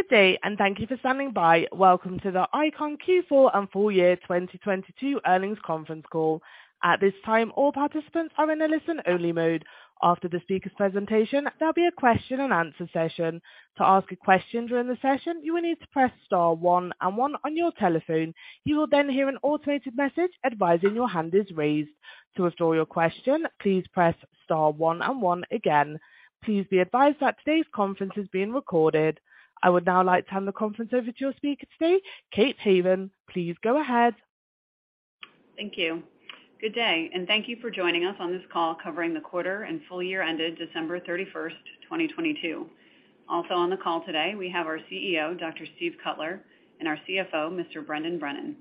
Good day and thank you for standing by. Welcome to the ICON Q4 and Full Year 2022 Earnings Conference Call. At this time, all participants are in a listen-only mode. After the speaker's presentation, there'll be a question-and-answer session. To ask a question during the session, you will need to press star one and one on your telephone. You will then hear an automated message advising your hand is raised. To withdraw your question, please press star one and one again. Please be advised that today's conference is being recorded. I would now like to hand the conference over to your speaker today, Kate Haven. Please go ahead. Thank you. Good day and thank you for joining us on this call covering the quarter and full year ended December 31st, 2022. On the call today, we have our CEO, Dr. Steve Cutler, and our CFO, Mr. Brendan Brennan.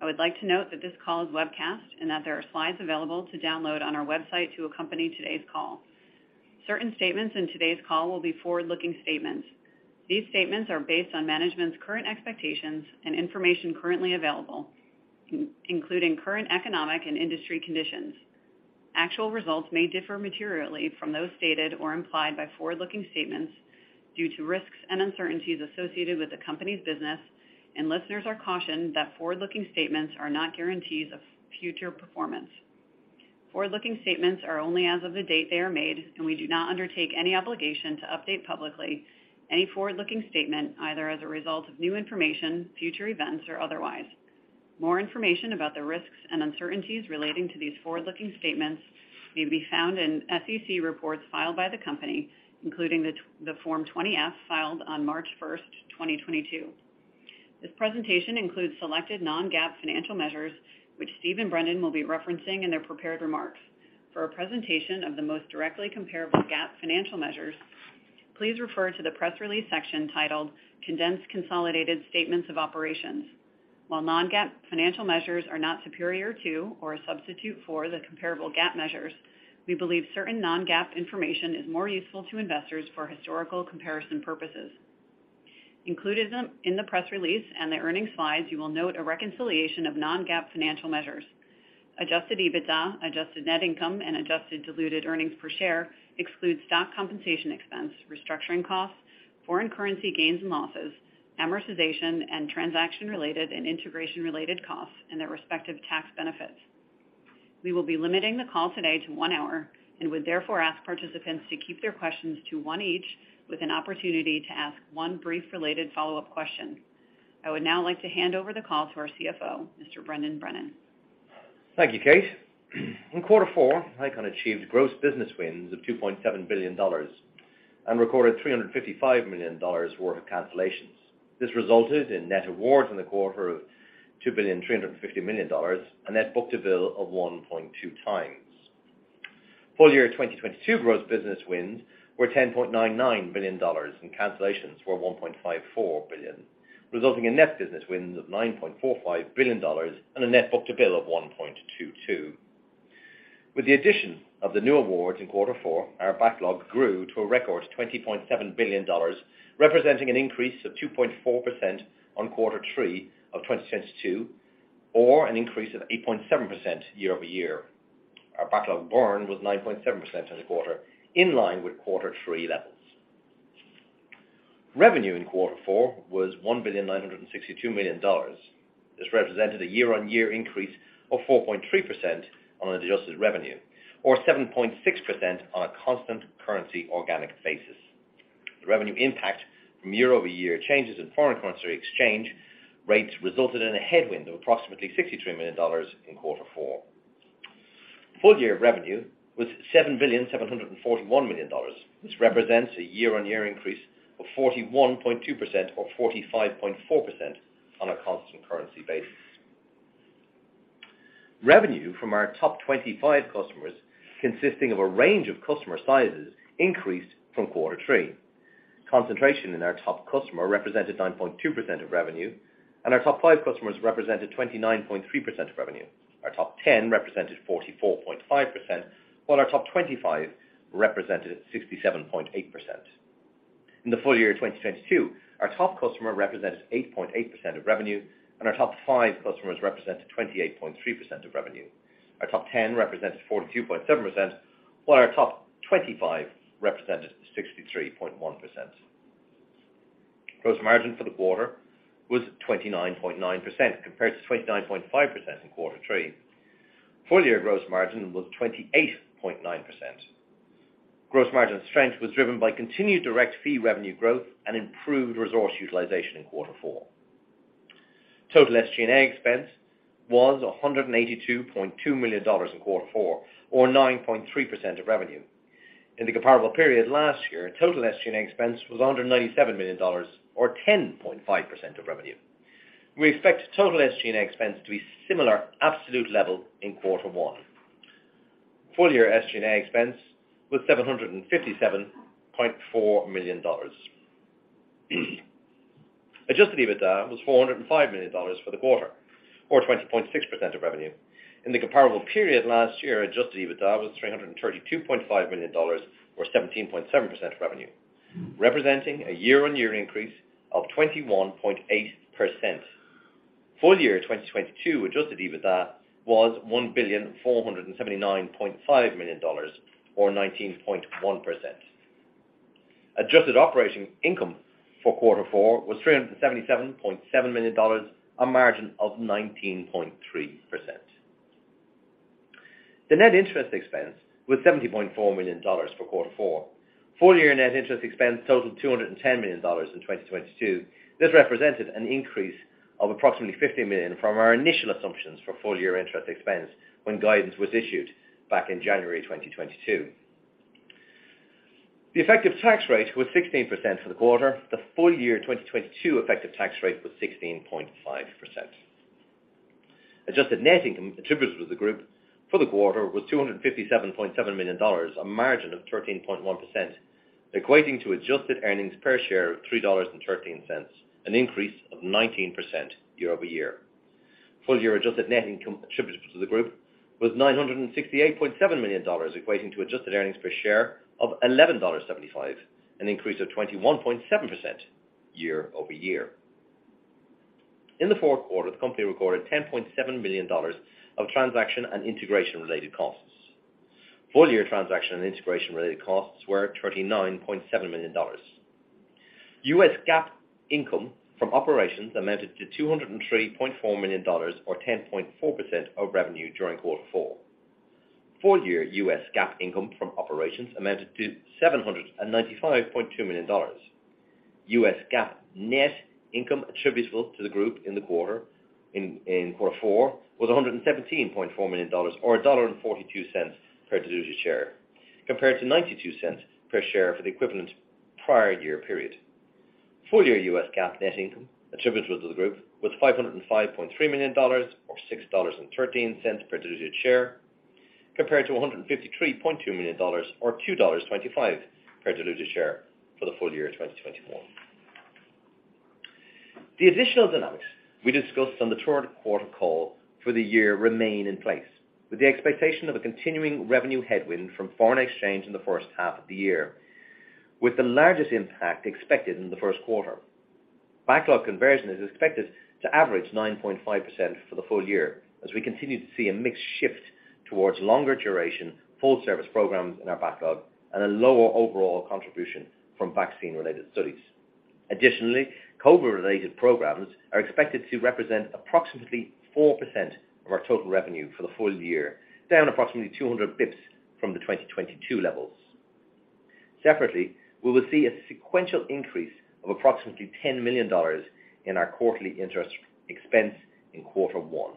I would like to note that this call is webcast and that there are slides available to download on our website to accompany today's call. Certain statements in today's call will be forward-looking statements. These statements are based on management's current expectations and information currently available, including current economic and industry conditions. Actual results may differ materially from those stated or implied by forward-looking statements due to risks and uncertainties associated with the company's business, and listeners are cautioned that forward-looking statements are not guarantees of future performance. Forward-looking statements are only as of the date they are made, and we do not undertake any obligation to update publicly any forward-looking statement, either as a result of new information, future events, or otherwise. More information about the risks and uncertainties relating to these forward-looking statements may be found in SEC reports filed by the company, including the Form 20-F filed on March 1, 2022. This presentation includes selected non-GAAP financial measures, which Steve and Brendan will be referencing in their prepared remarks. For a presentation of the most directly comparable GAAP financial measures, please refer to the press release section titled Condensed Consolidated Statements of Operations. While non-GAAP financial measures are not superior to or a substitute for the comparable GAAP measures, we believe certain non-GAAP information is more useful to investors for historical comparison purposes. Included in the press release and the earning slides, you will note a reconciliation of non-GAAP financial measures. Adjusted EBITDA, adjusted net income, and adjusted diluted earnings per share exclude stock compensation expense, restructuring costs, foreign currency gains and losses, amortization, and transaction-related and integration-related costs and their respective tax benefits. We will be limiting the call today to one hour and would therefore ask participants to keep their questions to one each, with an opportunity to ask one brief related follow-up question. I would now like to hand over the call to our CFO, Mr. Brendan Brennan. Thank you, Kate. In Q4, ICON achieved gross business wins of $2.7 billion and recorded $355 million worth of cancellations. This resulted in net awards in the quarter of $2.35 billion and net book-to-bill of 1.2 times. Full year 2022 gross business wins were $10.99 billion and cancellations were $1.54 billion, resulting in net business wins of $9.45 billion and a net book-to-bill of 1.22. With the addition of the new awards in Q4, our backlog grew to a record $20.7 billion, representing an increase of 2.4% on Q3 of 2022 or an increase of 8.7% year-over-year. Our backlog burn was 9.7% in the quarter, in line with Q3 levels. Revenue in Q4 was $1.962 billion. This represented a year-on-year increase of 4.3% on adjusted revenue or 7.6% on a constant currency organic basis. The revenue impact from year-over-year changes in foreign currency exchange rates resulted in a headwind of approximately $63 million in Q4. Full year revenue was $7.741 billion, which represents a year-on-year increase of 41.2% or 45.4% on a constant currency basis. Revenue from our top 25 customers, consisting of a range of customer sizes, increased from Q3. Concentration in our top customer represented 9.2% of revenue, and our top five customers represented 29.3% of revenue. Our top 10 represented 44.5%, while our top 25 represented 67.8%. In the full year 2022, our top customer represented 8.8% of revenue, and our top five customers represented 28.3% of revenue. Our top 10 represented 42.7%, while our top 25 represented 63.1%. Gross margin for the quarter was 29.9% compared to 29.5% in Q3. Full year gross margin was 28.9%. Gross margin strength was driven by continued direct fee revenue growth and improved resource utilization in Q4. Total SG&A expense was $182.2 million in Q4 or 9.3% of revenue. In the comparable period last year, total SG&A expense was $197 million or 10.5% of revenue. We expect total SG&A expense to be similar absolute level in Q1. Full year SG&A expense was $757.4 million. Adjusted EBITDA was $405 million for the quarter or 20.6% of revenue. In the comparable period last year, Adjusted EBITDA was $332.5 million or 17.7% of revenue, representing a year-on-year increase of 21.8%. Full year 2022 Adjusted EBITDA was $1,479.5 million, or 19.1%. Adjusted operating income for Q4 was $377.7 million, a margin of 19.3%. The net interest expense was $70.4 million for Q4. Full year net interest expense totaled $210 million in 2022. This represented an increase of approximately $50 million from our initial assumptions for full year interest expense when guidance was issued back in January 2022. The effective tax rate was 16% for the quarter. The full year 2022 effective tax rate was 16.5%. Adjusted net income attributable to the group for the quarter was $257.7 million, a margin of 13.1%, equating to adjusted earnings per share of $3.13, an increase of 19% year-over-year. Full year adjusted net income attributable to the group was $968.7 million, equating to adjusted earnings per share of $11.75, an increase of 21.7% year-over-year. In Q4, the company recorded $10.7 million of transaction and integration related costs. Full year transaction and integration related costs were $39.7 million. U.S. GAAP income from operations amounted to $203.4 million, or 10.4% of revenue during Q4. Full year U.S. GAAP income from operations amounted to $795.2 million. U.S. GAAP net income attributable to the group in the quarter, in Q4 was $117.4 million, or $1.42 per diluted share, compared to $0.92 per share for the equivalent prior year period. Full year U.S. GAAP net income attributable to the group was $505.3 million, or $6.13 per diluted share, compared to $153.2 million or $2.25 per diluted share for the full year of 2021. The additional dynamics we discussed on Q3 call for the year remain in place, with the expectation of a continuing revenue headwind from foreign exchange in the first half of the year. With the largest impact expected in Q1. Backlog conversion is expected to average 9.5% for the full year, as we continue to see a mix shift towards longer duration, full service programs in our backlog and a lower overall contribution from vaccine-related studies. COVID related programs are expected to represent approximately 4% of our total revenue for the full year, down approximately 200 basis points from the 2022 levels. Separately, we will see a sequential increase of approximately $10 million in our quarterly interest expense in Q1.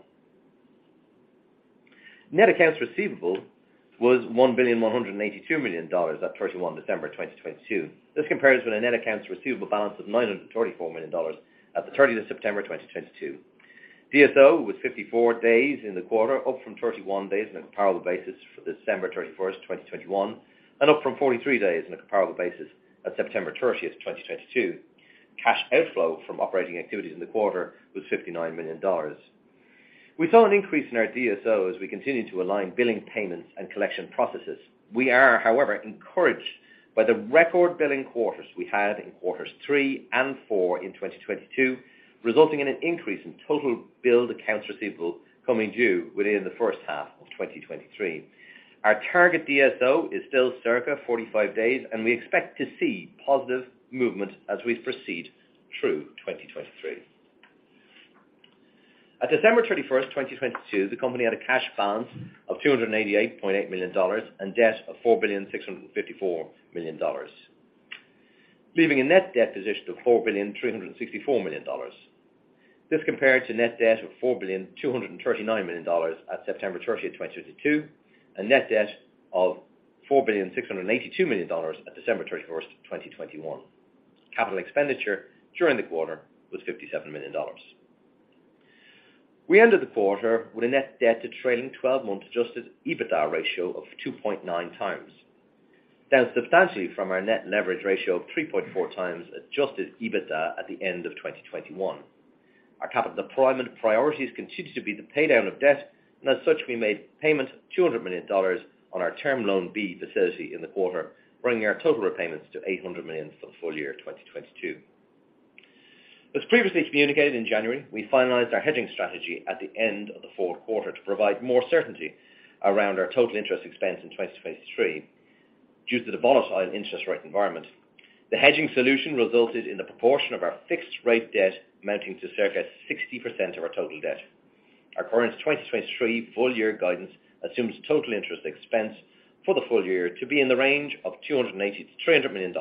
Net accounts receivable was $1.182 billion at 31 December 2022. This compares with a net accounts receivable balance of $934 million at September 30th 2022. DSO was 54 days in the quarter, up from 31 days on a comparable basis for December 31st, 2021, and up from 43 days on a comparable basis at September 30th, 2022. Cash outflow from operating activities in the quarter was $59 million. We saw an increase in our DSO as we continue to align billing payments and collection processes. We are, however, encouraged by the record billing quarters we had in Q3 and Q4 in 2022, resulting in an increase in total billed accounts receivable coming due within the first half of 2023. Our target DSO is still circa 45 days, and we expect to see positive movement as we proceed through 2023. At December 31st, 2022, the company had a cash balance of $288.8 million and debt of $4.654 billion, leaving a net debt position of $4.364 billion. This compared to net debt of $4.239 billion at September 30th, 2022, and net debt of $4.682 billion at December 31st, 2021. Capital expenditure during the quarter was $57 million. We ended the quarter with a net debt to trailing twelve month Adjusted EBITDA ratio of 2.9 times. Down substantially from our net leverage ratio of 3.4 times Adjusted EBITDA at the end of 2021. Our capital deployment priorities continue to be the pay down of debt, and as such, we made payment $200 million on our Term Loan B facility in the quarter, bringing our total repayments to $800 million for the full year 2022. As previously communicated in January, we finalized our hedging strategy at the end of the Q4 to provide more certainty around our total interest expense in 2023 due to the volatile interest rate environment. The hedging solution resulted in the proportion of our fixed rate debt amounting to circa 60% of our total debt. Our current 2023 full year guidance assumes total interest expense for the full year to be in the range of $280 million-$300 million.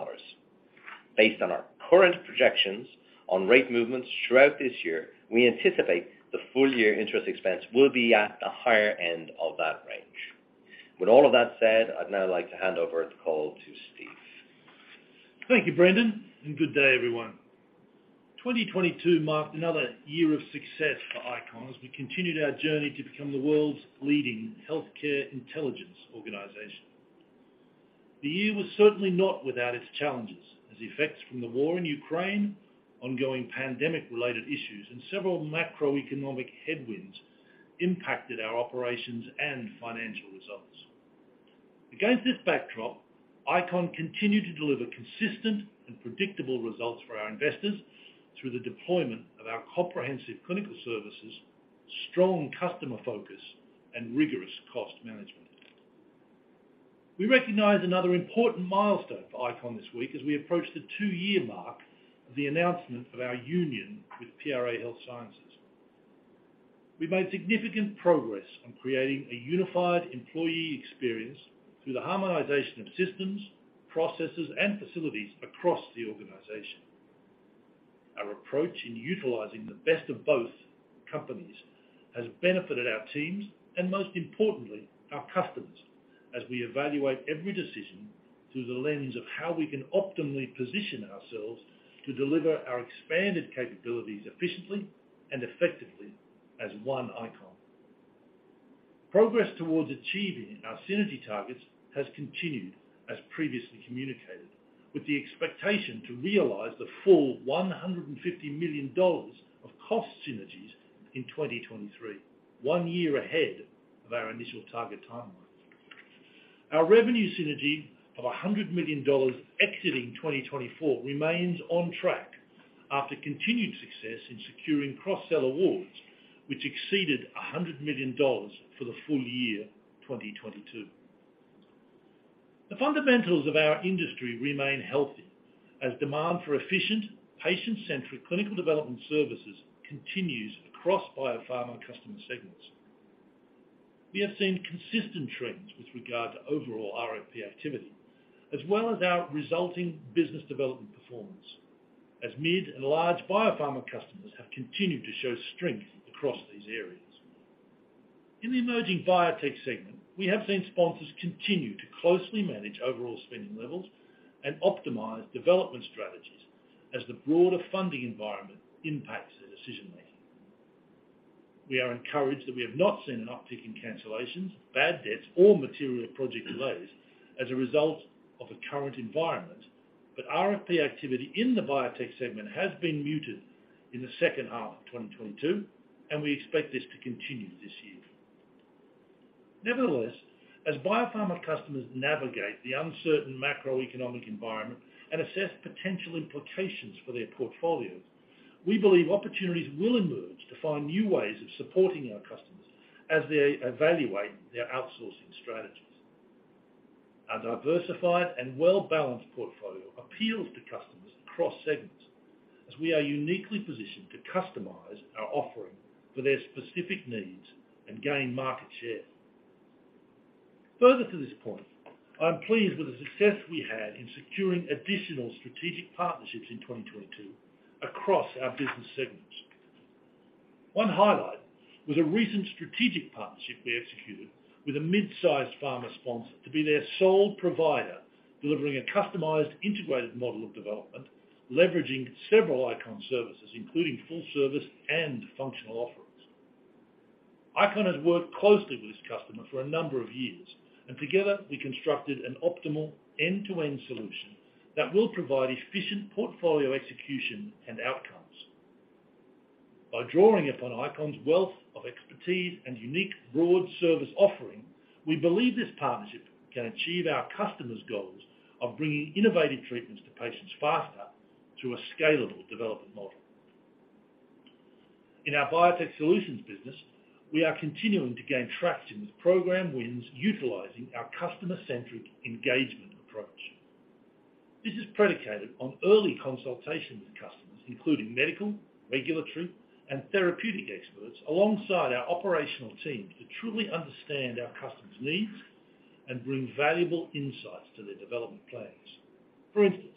Based on our current projections on rate movements throughout this year, we anticipate the full year interest expense will be at the higher end of that range. With all of that said, I'd now like to hand over the call to Steve. Thank you, Brendan, and good day, everyone. 2022 marked another year of success for ICON as we continued our journey to become the world's leading healthcare intelligence organization. The year was certainly not without its challenges, as effects from the war in Ukraine, ongoing pandemic related issues, and several macroeconomic headwinds impacted our operations and financial results. Against this backdrop, ICON continued to deliver consistent and predictable results for our investors through the deployment of our comprehensive clinical services, strong customer focus and rigorous cost management. We recognize another important milestone for ICON this week as we approach the two year mark of the announcement of our union with PRA Health Sciences. We've made significant progress on creating a unified employee experience through the harmonization of systems, processes, and facilities across the organization. Our approach in utilizing the best of both companies has benefited our teams, and most importantly, our customers, as we evaluate every decision through the lens of how we can optimally position ourselves to deliver our expanded capabilities efficiently and effectively as one ICON. Progress towards achieving our synergy targets has continued as previously communicated, with the expectation to realize the full $150 million of cost synergies in 2023, one year ahead of our initial target timeline. Our revenue synergy of $100 million exiting 2024 remains on track after continued success in securing cross-sell awards, which exceeded $100 million for the full year 2022. The fundamentals of our industry remain healthy as demand for efficient, patient-centric clinical development services continues across biopharma customer segments. We have seen consistent trends with regard to overall RFP activity, as well as our resulting business development performance, as mid and large biopharma customers have continued to show strength across these areas. In the emerging biotech segment, we have seen sponsors continue to closely manage overall spending levels and optimize development strategies as the broader funding environment impacts their decision making. We are encouraged that we have not seen an uptick in cancellations, bad debts or material project delays as a result of the current environment. RFP activity in the biotech segment has been muted in the second half of 2022, and we expect this to continue this year. As biopharma customers navigate the uncertain macroeconomic environment and assess potential implications for their portfolios, we believe opportunities will emerge to find new ways of supporting our customers as they evaluate their outsourcing strategies. Our diversified and well-balanced portfolio appeals to customers across segments as we are uniquely positioned to customize our offering for their specific needs and gain market share. Further to this point, I'm pleased with the success we had in securing additional strategic partnerships in 2022 across our business segments. One highlight was a recent strategic partnership we executed with a mid-sized pharma sponsor to be their sole provider, delivering a customized integrated model of development, leveraging several ICON services, including full service and functional offerings. ICON has worked closely with this customer for a number of years, and together we constructed an optimal end-to-end solution that will provide efficient portfolio execution and outcomes. By drawing upon ICON's wealth of expertise and unique broad service offering, we believe this partnership can achieve our customer's goals of bringing innovative treatments to patients faster through a scalable development model. In our biotech solutions business, we are continuing to gain traction with program wins utilizing our customer-centric engagement approach. This is predicated on early consultation with customers, including medical, regulatory, and therapeutic experts alongside our operational teams to truly understand our customers' needs and bring valuable insights to their development plans. For instance,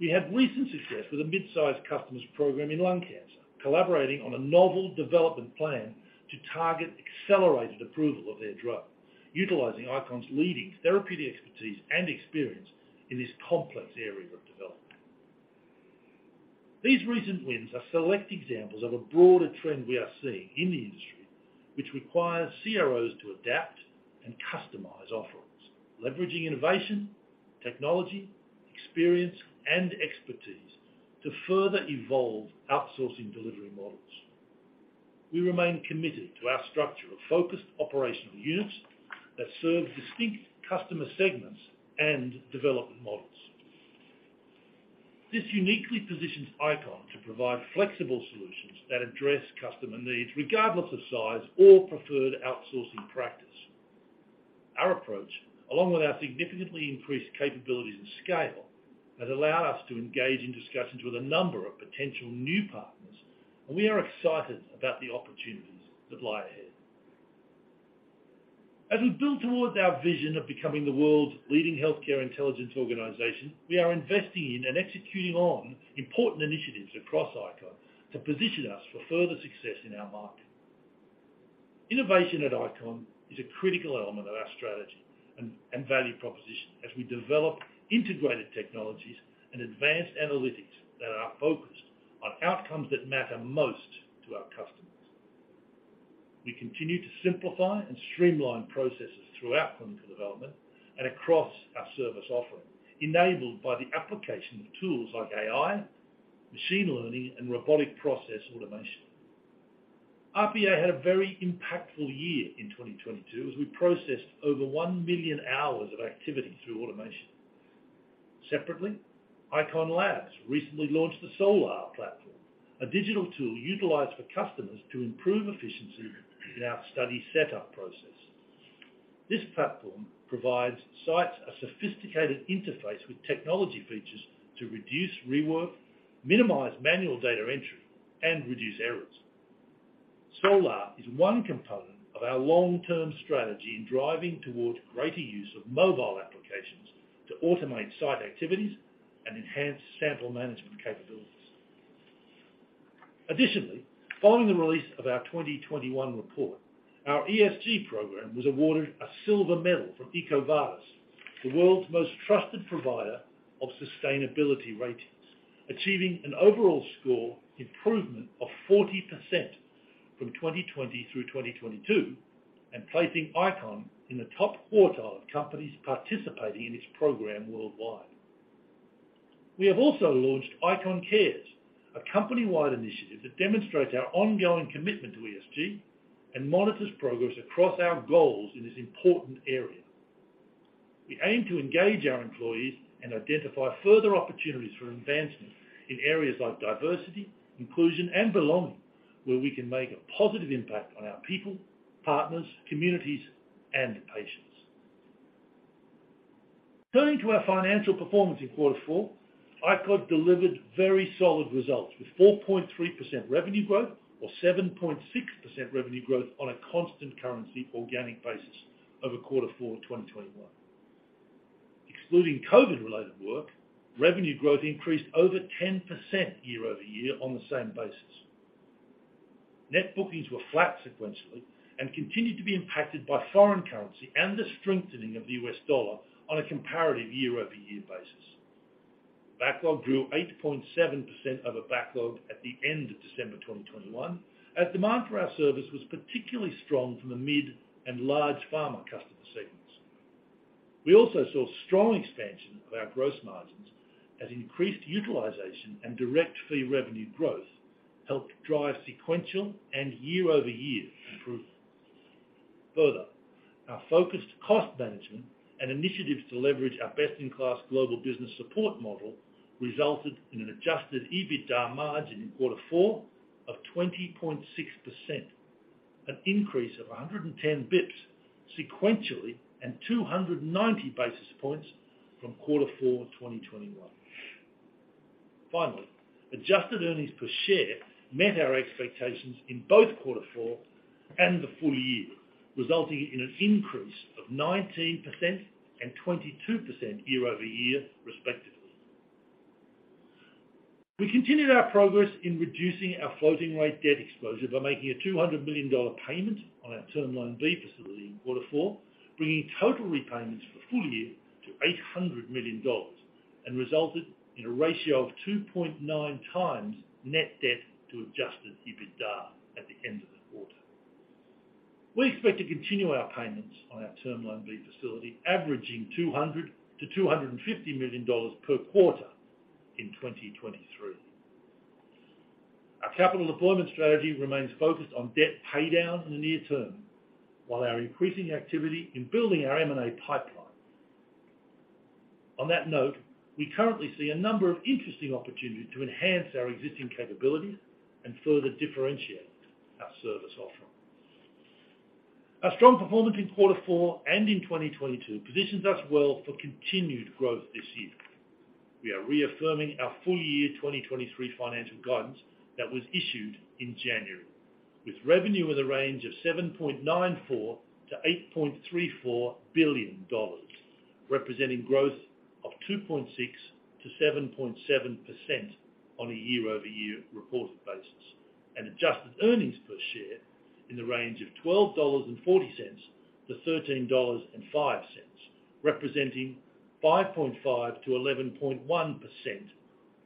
we had recent success with a mid-sized customer's program in lung cancer, collaborating on a novel development plan to target accelerated approval of their drug, utilizing ICON's leading therapeutic expertise and experience in this complex area of development. These recent wins are select examples of a broader trend we are seeing in the industry, which requires CROs to adapt and customize offerings, leveraging innovation, technology, experience, and expertise to further evolve outsourcing delivery models. We remain committed to our structure of focused operational units that serve distinct customer segments and development models. This uniquely positions ICON to provide flexible solutions that address customer needs regardless of size or preferred outsourcing practice. Our approach, along with our significantly increased capabilities and scale, has allowed us to engage in discussions with a number of potential new partners. We are excited about the opportunities that lie ahead. As we build towards our vision of becoming the world's leading healthcare intelligence organization, we are investing in and executing on important initiatives across ICON to position us for further success in our market. Innovation at ICON is a critical element of our strategy and value proposition as we develop integrated technologies and advanced analytics that are focused on outcomes that matter most to our customers. We continue to simplify and streamline processes throughout clinical development and across our service offering, enabled by the application of tools like AI, machine learning, and robotic process automation. RPA had a very impactful year in 2022 as we processed over 1 million hours of activity through automation. Separately, ICON labs recently launched the Solaris platform, a digital tool utilized for customers to improve efficiency in our study setup process. This platform provides sites a sophisticated interface with technology features to reduce rework, minimize manual data entry, and reduce errors. Solaris is one component of our long-term strategy in driving towards greater use of mobile applications to automate site activities and enhance sample management capabilities. Additionally, following the release of our 2021 report, our ESG program was awarded a Silver Medal from EcoVadis, the world's most trusted provider of sustainability ratings, achieving an overall score improvement of 40% from 2020 through 2022 and placing ICON in the top quartile of companies participating in its program worldwide. We have also launched ICON Cares, a company-wide initiative that demonstrates our ongoing commitment to ESG and monitors progress across our goals in this important area. We aim to engage our employees and identify further opportunities for advancement in areas like diversity, inclusion, and belonging, where we can make a positive impact on our people, partners, communities, and patients. Turning to our financial performance in Q4, ICON delivered very solid results with 4.3% revenue growth or 7.6% revenue growth on a constant currency organic basis over Q4 of 2021. Excluding COVID-related work, revenue growth increased over 10% year-over-year on the same basis. Net bookings were flat sequentially and continued to be impacted by foreign currency and the strengthening of the US dollar on a comparative year-over-year basis. Backlog grew 8.7% over backlog at the end of December 2021 as demand for our service was particularly strong from the mid and large pharma customer segments. We also saw strong expansion of our gross margins as increased utilization and direct fee revenue growth helped drive sequential and year-over-year improvements. Our focused cost management and initiatives to leverage our best-in-class global business support model resulted in an Adjusted EBITDA margin in Q4 of 20.6%, an increase of 110 basis points sequentially and 290 basis points from Q4 of 2021. Adjusted earnings per share met our expectations in both Q4 and the full year, resulting in an increase of 19% and 22% year-over-year, respectively. We continued our progress in reducing our floating rate debt exposure by making a $200 million payment on our Term Loan B facility in Q4, bringing total repayments for full year to $800 million and resulted in a ratio of 2.9x net debt to Adjusted EBITDA at the end of the quarter. We expect to continue our payments on our Term Loan B facility, averaging $200 million-$250 million per quarter in 2023. Our capital deployment strategy remains focused on debt paydown in the near term while our increasing activity in building our M&A pipeline. On that note, we currently see a number of interesting opportunities to enhance our existing capabilities and further differentiate our service offering. Our strong performance in Q4 and in 2022 positions us well for continued growth this year. We are reaffirming our full year 2023 financial guidance that was issued in January with revenue in the range of $7.94 billion-$8.34 billion, representing growth of 2.6%-7.7% on a year-over-year reported basis. Adjusted earnings per share in the range of $12.40-$13.05, representing 5.5%-11.1%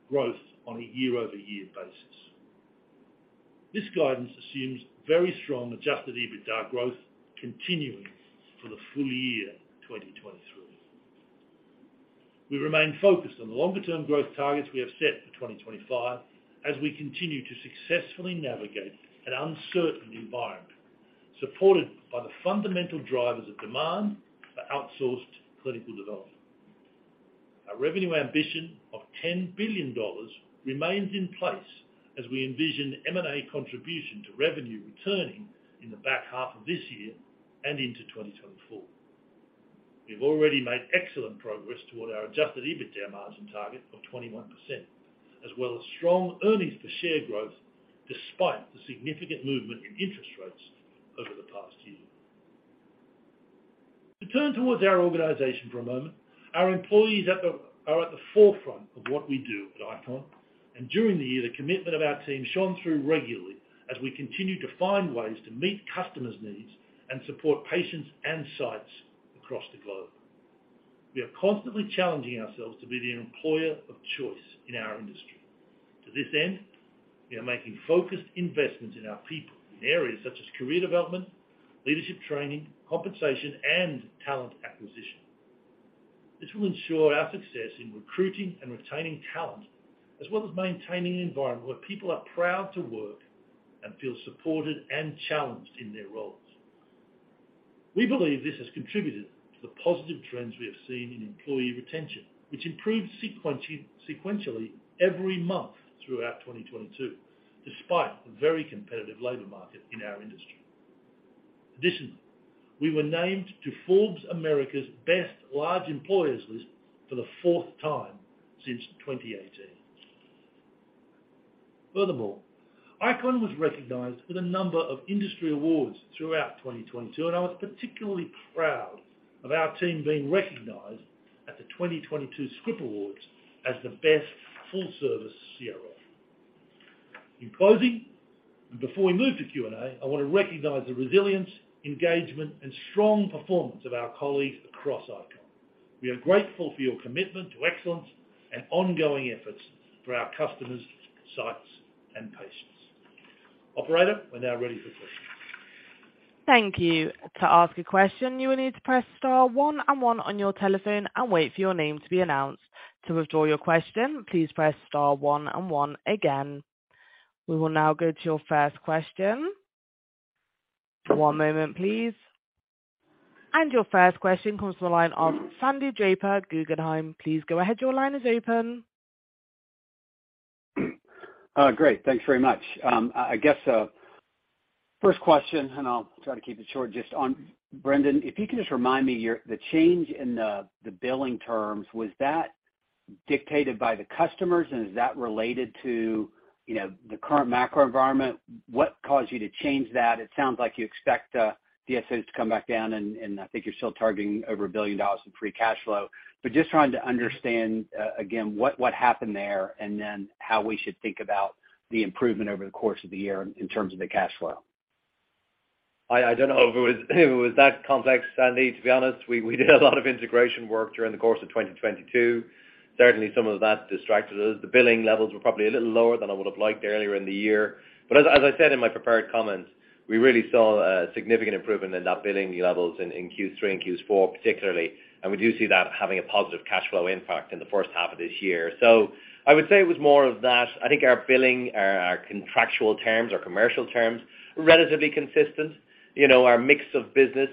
growth on a year-over-year basis. This guidance assumes very strong Adjusted EBITDA growth continuing for the full year 2023. We remain focused on the longer-term growth targets we have set for 2025 as we continue to successfully navigate an uncertain environment supported by the fundamental drivers of demand for outsourced clinical development. Our revenue ambition of $10 billion remains in place as we envision M&A contribution to revenue returning in the back half of this year and into 2024. We've already made excellent progress toward our Adjusted EBITDA margin target of 21% as well as strong earnings per share growth despite the significant movement in interest rates over the past year. To turn towards our organization for a moment, our employees are at the forefront of what we do at ICON, During the year, the commitment of our team shone through regularly as we continue to find ways to meet customers' needs and support patients and sites across the globe. We are constantly challenging ourselves to be the employer of choice in our industry. To this end, we are making focused investments in our people in areas such as career development, leadership training, compensation, and talent acquisition. It will ensure our success in recruiting and retaining talent, as well as maintaining an environment where people are proud to work and feel supported and challenged in their roles. We believe this has contributed to the positive trends we have seen in employee retention, which improved sequentially every month throughout 2022, despite the very competitive labor market in our industry. Additionally, we were named to Forbes America's Best Large Employers list for the fourth time since 2018. ICON was recognized with a number of industry awards throughout 2022, and I was particularly proud of our team being recognized at the 2022 Scrip Awards as the best full service CRO. In closing, and before we move to Q&A, I wanna recognize the resilience, engagement and strong performance of our colleagues across ICON. We are grateful for your commitment to excellence and ongoing efforts for our customers, sites and patients. Operator, we're now ready for questions. Thank you. To ask a question, you will need to press star one and one on your telephone and wait for your name to be announced. To withdraw your question, please press star one and one again. We will now go to your first question. One moment, please. Your first question comes from the line of Sandy Draper, Guggenheim. Please go ahead. Your line is open. Great. Thanks very much. I guess, first question, and I'll try to keep it short just on Brendan, if you can just remind me The change in the billing terms, was that dictated by the customers? Is that related to, you know, the current macro environment? What caused you to change that? It sounds like you expect DSOs to come back down, and I think you're still targeting over $1 billion in free cash flow. Just trying to understand again what happened there and then how we should think about the improvement over the course of the year in terms of the cash flow. I don't know if it was that complex, Sandy, to be honest. We did a lot of integration work during the course of 2022. Certainly, some of that distracted us. The billing levels were probably a little lower than I would've liked earlier in the year. As I said in my prepared comments, we really saw a significant improvement in that billing levels in Q3 and Q4 particularly. We do see that having a positive cash flow impact in the first half of this year. I would say it was more of that. I think our billing, our contractual terms or commercial terms, relatively consistent. You know, our mix of business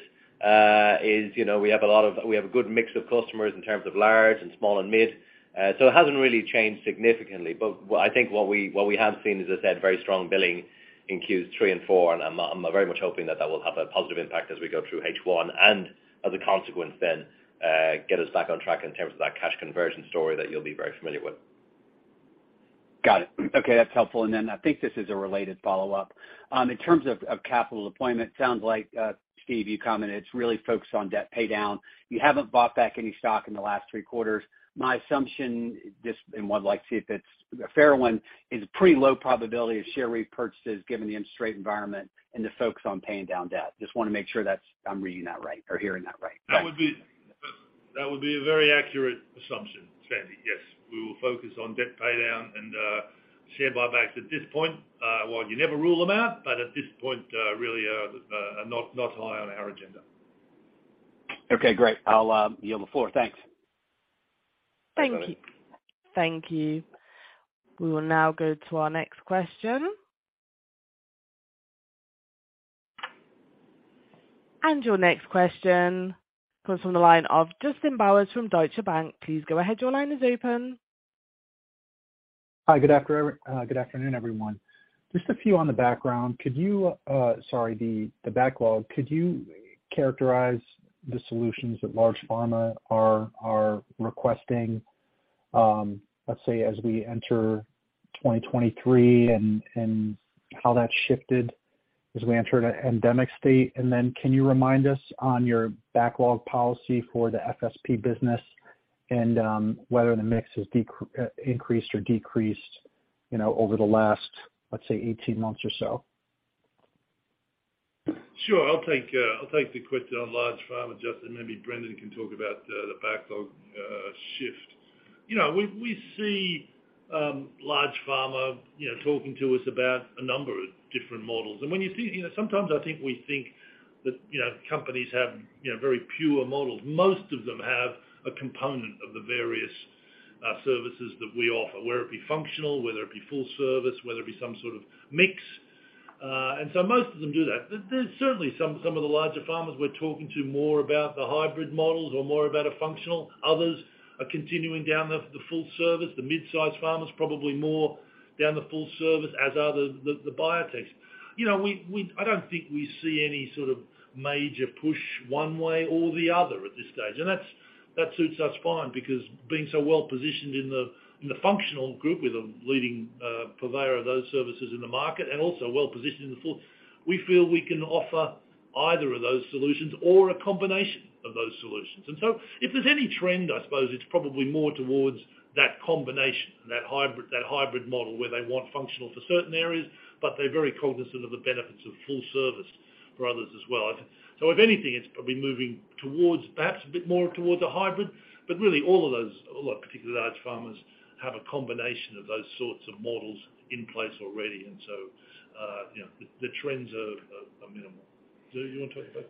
is, you know, we have a good mix of customers in terms of large and small and mid. It hasn't really changed significantly. What I think what we have seen is, as I said, very strong billing in Q3 and Q4, and I'm very much hoping that that will have a positive impact as we go through H1 and as a consequence, get us back on track in terms of that cash conversion story that you'll be very familiar with. Got it. Okay, that's helpful. I think this is a related follow-up. In terms of capital deployment, sounds like Steve, you commented it's really focused on debt paydown. You haven't bought back any stock in the last three quarters. My assumption just and would like to see if it's a fair one, is pretty low probability of share repurchases given the interest rate environment and the focus on paying down debt. Just wanna make sure that's, I'm reading that right or hearing that right. That would be a very accurate assumption, Sandy. Yes. We will focus on debt paydown and share buybacks at this point. Well, you never rule them out, but at this point, really, not high on our agenda. Okay, great. I'll yield the floor. Thanks. Thank you. Thank you. We will now go to our next question. Your next question comes from the line of Justin Bowers from Deutsche Bank. Please go ahead. Your line is open. Hi. Good afternoon, everyone. Just a few on the background. Could you, sorry, the backlog, could you characterize the solutions that large pharma are requesting, let's say as we enter 2023 and how that shifted as we enter an endemic state? Can you remind us on your backlog policy for the FSP business and whether the mix has increased or decreased, you know, over the last, let's say, 18 months or so? Sure. I'll take the question on large pharma, Justin, maybe Brendan can talk about the backlog shift. You know, we see large pharma, you know, talking to us about a number of different models. When you see... You know, sometimes I think we think that, you know, companies have, you know, very pure models. Most of them have a component of the various services that we offer, whether it be functional, whether it be full service, whether it be some sort of mix. Most of them do that. There's certainly some of the larger pharmas we're talking to more about the hybrid models or more about a functional. Others are continuing down the full service. The mid-size pharma's probably more down the full service as are the biotechs. You know, we... I don't think we see any sort of major push one way or the other at this stage. That's, that suits us fine because being so well-positioned in the functional group with a leading purveyor of those services in the market and also well-positioned in the full, we feel we can offer either of those solutions or a combination of those solutions. If there's any trend, I suppose it's probably more towards that combination, that hybrid model where they want functional for certain areas, but they're very cognizant of the benefits of full service for others as well. If anything, it's probably moving towards perhaps a bit more towards a hybrid, but really all of those, a lot of particularly large pharmas have a combination of those sorts of models in place already. You know, the trends are minimal. Do you want to talk about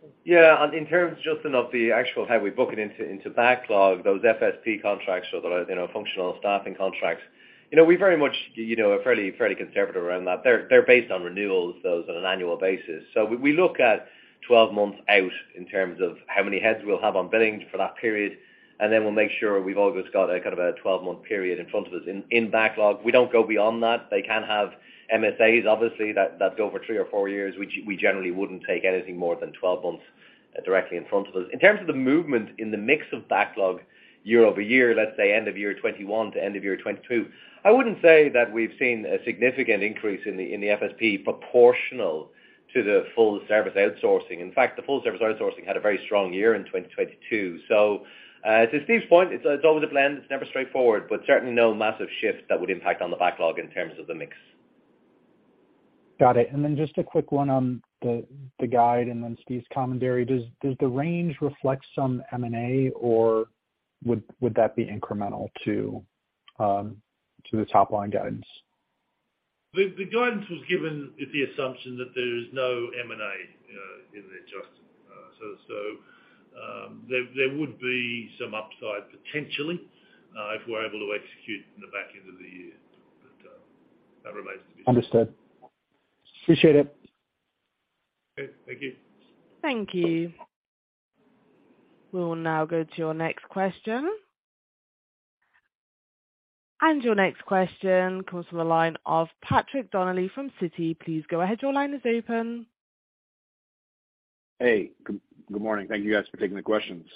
that? In terms, Justin, of the actual how we book it into backlog, those FSP contracts or the, you know, functional staffing contracts. You know, we very much, you know, are fairly conservative around that. They're based on renewals, those on an annual basis. We look at 12 months out in terms of how many heads we'll have on billings for that period, and then we'll make sure we've always got a kind of a 12-month period in front of us in backlog. We don't go beyond that. They can have MSAs, obviously, that go for three or four years. We generally wouldn't take anything more than 12 months directly in front of us. In terms of the movement in the mix of backlog year-over-year, let's say end of year 21 to end of year 22, I wouldn't say that we've seen a significant increase in the, in the FSP proportional to the full service outsourcing. In fact, the full service outsourcing had a very strong year in 2022. To Steve's point, it's always a blend. It's never straightforward, but certainly no massive shift that would impact on the backlog in terms of the mix. Got it. Then just a quick one on the guide and then Steve's commentary. Does the range reflect some M&A, or would that be incremental to the top line guidance? The guidance was given with the assumption that there is no M&A in there, Justin. There would be some upside potentially if we're able to execute in the back end of the year, but that remains to be seen. Understood. Appreciate it. Okay. Thank you. Thank you. We'll now go to your next question. Your next question comes from the line of Patrick Donnelly from Citi. Please go ahead. Your line is open. Hey, good morning. Thank you guys for taking the questions.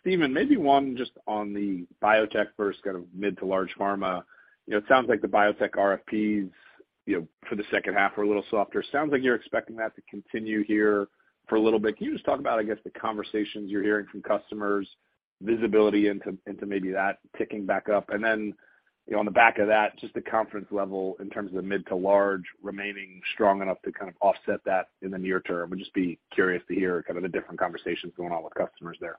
Steve, maybe one just on the biotech versus kind of mid to large pharma. You know, it sounds like the biotech RFPs, you know, for the second half are a little softer. Sounds like you're expecting that to continue here for a little bit. Can you just talk about, I guess, the conversations you're hearing from customers, visibility into maybe that ticking back up? Then, you know, on the back of that, just the confidence level in terms of the mid to large remaining strong enough to kind of offset that in the near term. I'd just be curious to hear kind of the different conversations going on with customers there.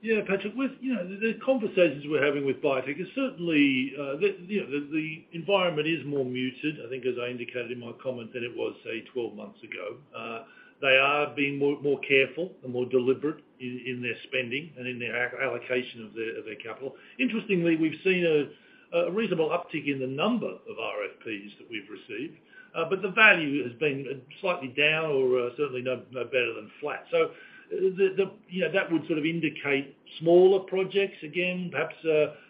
Yeah, Patrick. With, you know, the conversations we're having with biotech is certainly, you know, the environment is more muted, I think, as I indicated in my comment, than it was, say, 12 months ago. They are being more careful and more deliberate in their spending and in their allocation of their capital. Interestingly, we've seen a reasonable uptick in the number of RFPs that we've received, but the value has been slightly down or certainly no better than flat. You know, that would sort of indicate smaller projects, again, perhaps,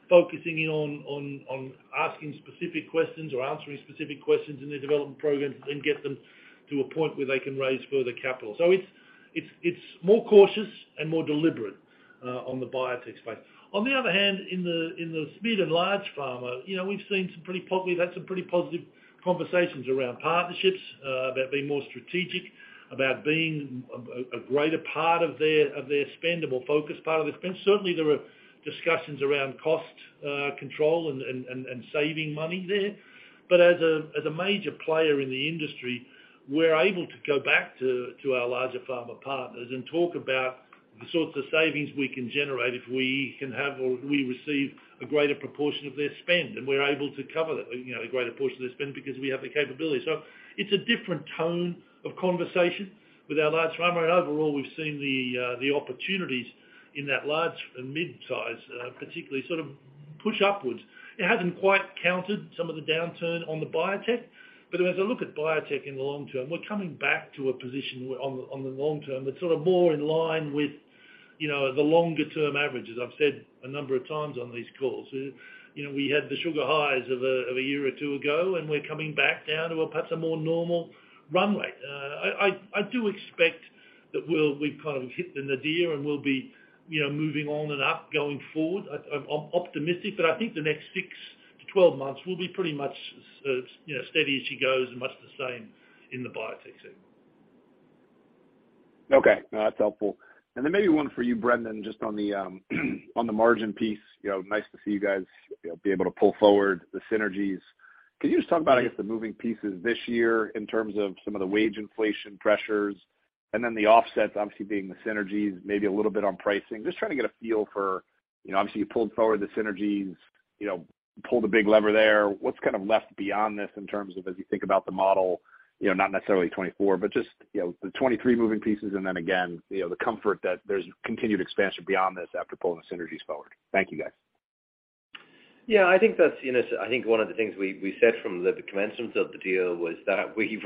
focusing in on asking specific questions or answering specific questions in their development programs and get them to a point where they can raise further capital. It's more cautious and more deliberate on the biotech space. On the other hand, in the speed of large pharma, you know, we've had some pretty positive conversations around partnerships, about being more strategic, about being a greater part of their spend, a more focused part of their spend. Certainly, there are discussions around cost control and saving money there. But as a major player in the industry, we're able to go back to our larger pharma partners and talk about the sorts of savings we can generate if we can have or we receive a greater proportion of their spend. And we're able to cover, you know, a greater portion of their spend because we have the capability. So it's a different tone of conversation with our large pharma. Overall, we've seen the opportunities in that large and mid-size, particularly sort of push upwards. It hasn't quite countered some of the downturn on the biotech, but as I look at biotech in the long term, we're coming back to a position on the long term that's sort of more in line with, you know, the longer term averages. I've said a number of times on these calls. You know, we had the sugar highs of a year or two ago, and we're coming back down to a perhaps a more normal runway. I do expect that we've kind of hit the nadir and we'll be, you know, moving on and up going forward. I'm optimistic, but I think the next six to 12 months will be pretty much, you know, steady as she goes and much the same in the biotech sector. Okay. No, that's helpful. Maybe one for you, Brendan, just on the margin piece. You know, nice to see you guys, you know, be able to pull forward the synergies. Can you just talk about, I guess, the moving pieces this year in terms of some of the wage inflation pressures and then the offsets obviously being the synergies, maybe a little bit on pricing? Just trying to get a feel for, you know, obviously you pulled forward the synergies, you know, pulled a big lever there. What's kind of left beyond this in terms of as you think about the model, you know, not necessarily 2024, but just, you know, the 2023 moving pieces and then again, you know, the comfort that there's continued expansion beyond this after pulling the synergies forward. Thank you, guys. Yeah, I think that's, you know, I think one of the things we said from the commencement of the deal was that we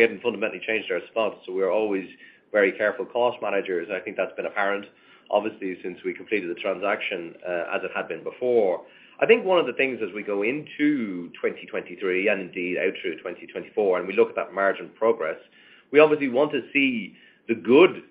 hadn't fundamentally changed our spots. We're always very careful cost managers, and I think that's been apparent obviously since we completed the transaction as it had been before. I think one of the things as we go into 2023, and indeed out through 2024, and we look at that margin progress, we obviously want to see the good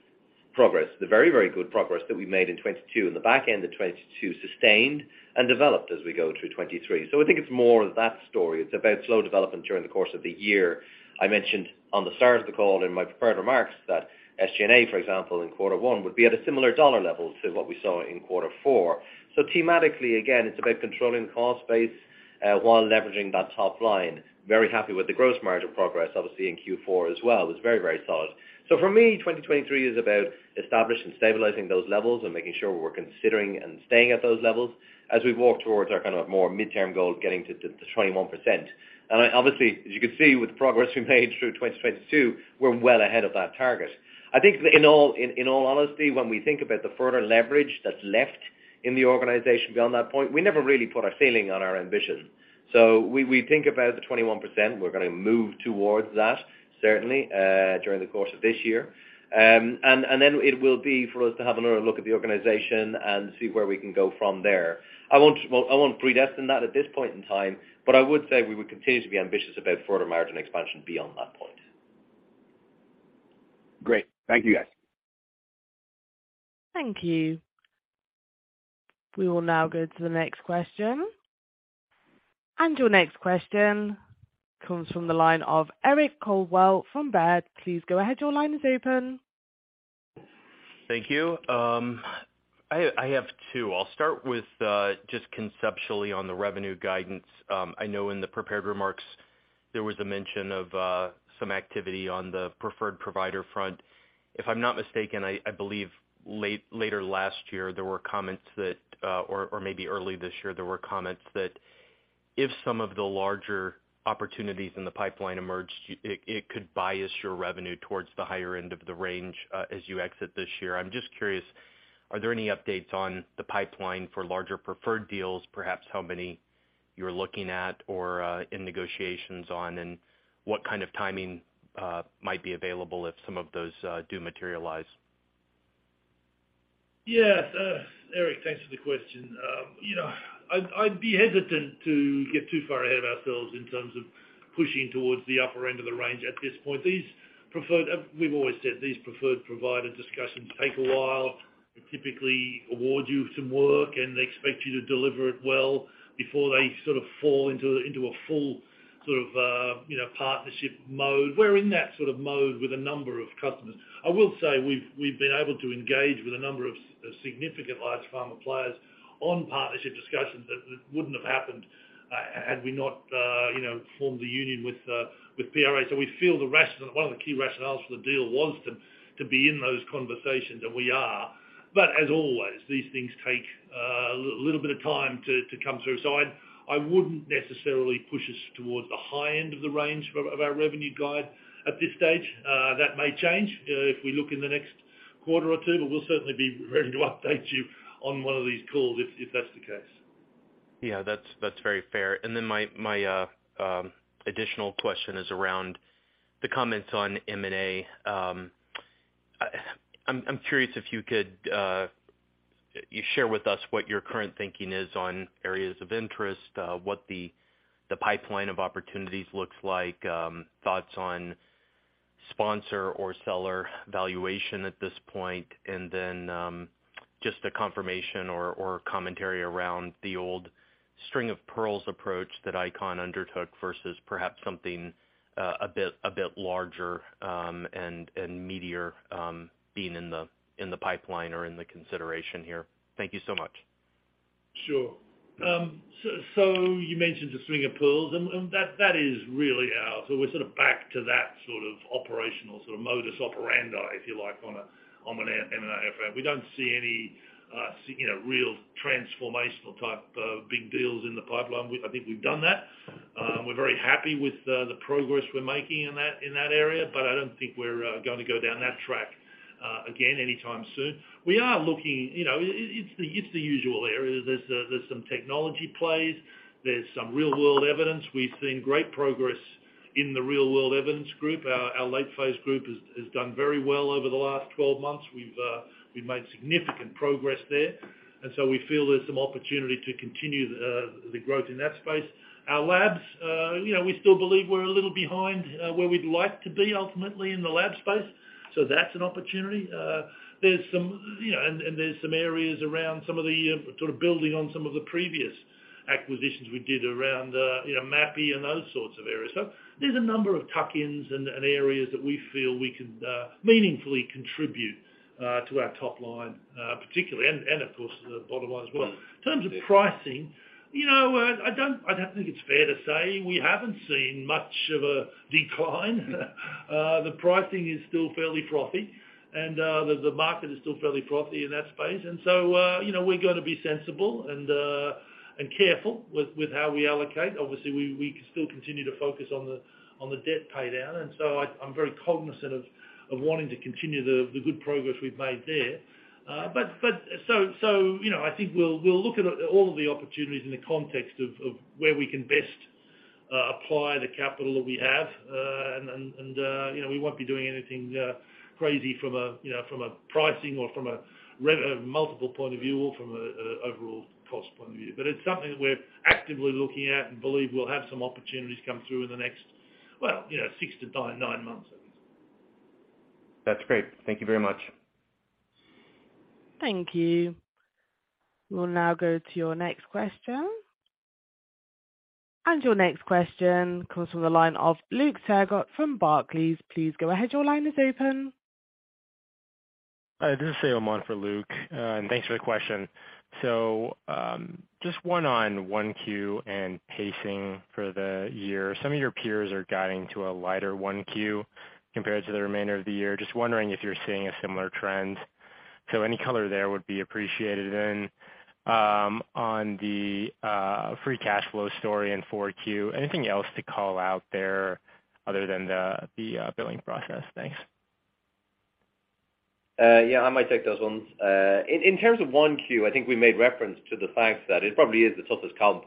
progress, the very good progress that we made in 2022, in the back end of 2022 sustained and developed as we go through 2023. I think it's more of that story. It's about slow development during the course of the year. I mentioned on the start of the call in my prepared remarks that SG&A, for example, in Q1, would be at a similar dollar level to what we saw in Q4. Thematically, again, it's about controlling the cost base while leveraging that top line. Very happy with the gross margin progress, obviously, in Q4 as well. It's very solid. For me, 2023 is about establishing and stabilizing those levels and making sure we're considering and staying at those levels as we walk towards our kind of more midterm goal of getting to the 21%. Obviously, as you can see with the progress we made through 2022, we're well ahead of that target. I think in all honesty, when we think about the further leverage that's left. In the organization beyond that point, we never really put a ceiling on our ambition. We think about the 21%. We're gonna move towards that, certainly, during the course of this year. Then it will be for us to have another look at the organization and see where we can go from there. I won't predestine that at this point in time, but I would say we would continue to be ambitious about further margin expansion beyond that point. Great. Thank you guys. Thank you. We will now go to the next question. Your next question comes from the line of Eric Coldwell from Baird. Please go ahead. Your line is open. Thank you. I have two. I'll start with just conceptually on the revenue guidance. I know in the prepared remarks there was a mention of some activity on the preferred provider front. If I'm not mistaken, I believe later last year there were comments that or maybe early this year, there were comments that if some of the larger opportunities in the pipeline emerged, it could bias your revenue towards the higher end of the range as you exit this year. I'm just curious, are there any updates on the pipeline for larger preferred deals, perhaps how many you're looking at or in negotiations on? What kind of timing might be available if some of those do materialize? Yes. Eric, thanks for the question. You know, I'd be hesitant to get too far ahead of ourselves in terms of pushing towards the upper end of the range at this point. These preferred provider discussions take a while. They typically award you some work, and they expect you to deliver it well before they sort of fall into a full sort of, you know, partnership mode. We're in that sort of mode with a number of customers. I will say we've been able to engage with a number of significant large pharma players on partnership discussions that wouldn't have happened, had we not, you know, formed the union with PRA. We feel One of the key rationales for the deal was to be in those conversations, and we are. As always, these things take a little bit of time to come through. I wouldn't necessarily push us towards the high end of the range of our revenue guide at this stage. That may change if we look in the next quarter or two, but we'll certainly be ready to update you on one of these calls if that's the case. Yeah. That's very fair. Then my additional question is around the comments on M&A. I'm curious if you could you share with us what your current thinking is on areas of interest, what the pipeline of opportunities looks like, thoughts on sponsor or seller valuation at this point? and then just a confirmation or commentary around the old string of pearls approach that ICON undertook versus perhaps something a bit larger and meatier being in the pipeline or in the consideration here. Thank you so much. Sure. You mentioned the string of pearls and that is really our. We're sort of back to that sort of operational sort of modus operandi, if you like, on an M&A effort. We don't see any, you know, real transformational type of big deals in the pipeline. I think we've done that. We're very happy with the progress we're making in that area, but I don't think we're gonna go down that track again anytime soon. We are looking, you know, it's the usual areas. There's some technology plays. There's some real world evidence. We've seen great progress in the real world evidence group. Our late phase group has done very well over the last 12 months. We've made significant progress there. We feel there's some opportunity to continue the growth in that space. Our labs, you know, we still believe we're a little behind where we'd like to be ultimately in the lab space, so that's an opportunity. There's some, you know, there's some areas around some of the sort of building on some of the previous acquisitions we did around, you know, Mapi and those sorts of areas. There's a number of tuck-ins and areas that we feel we can meaningfully contribute to our top line, particularly and of course, the bottom line as well. In terms of pricing, you know, I don't think it's fair to say we haven't seen much of a decline. The pricing is still fairly frothy and the market is still fairly frothy in that space. you know, we're gonna be sensible and careful with how we allocate. Obviously, we still continue to focus on the debt pay down. I'm very cognizant of wanting to continue the good progress we've made there. you know, I think we'll look at all of the opportunities in the context of where we can best apply the capital that we have. you know, we won't be doing anything crazy from a, you know, from a pricing or from a multiple point of view or from a overall cost point of view. It's something that we're actively looking at and believe we'll have some opportunities come through in the next, well, you know, six to nine months at least. That's great. Thank you very much. Thank you. We'll now go to your next question. Your next question comes from the line of Luke Sergott from Barclays. Please go ahead. Your line is open. Hi, this is Shayan for Luke, thanks for the question. Just one on Q1 and pacing for the year. Some of your peers are guiding to a lighter Q1 compared to the remainder of the year. Just wondering if you're seeing a similar trend. Any color there would be appreciated. On the free cash flow story in Q4, anything else to call out there other than the billing process? Thanks. Yeah, I might take those ones. In terms of 1Q, I think we made reference to the fact that it probably is the toughest comp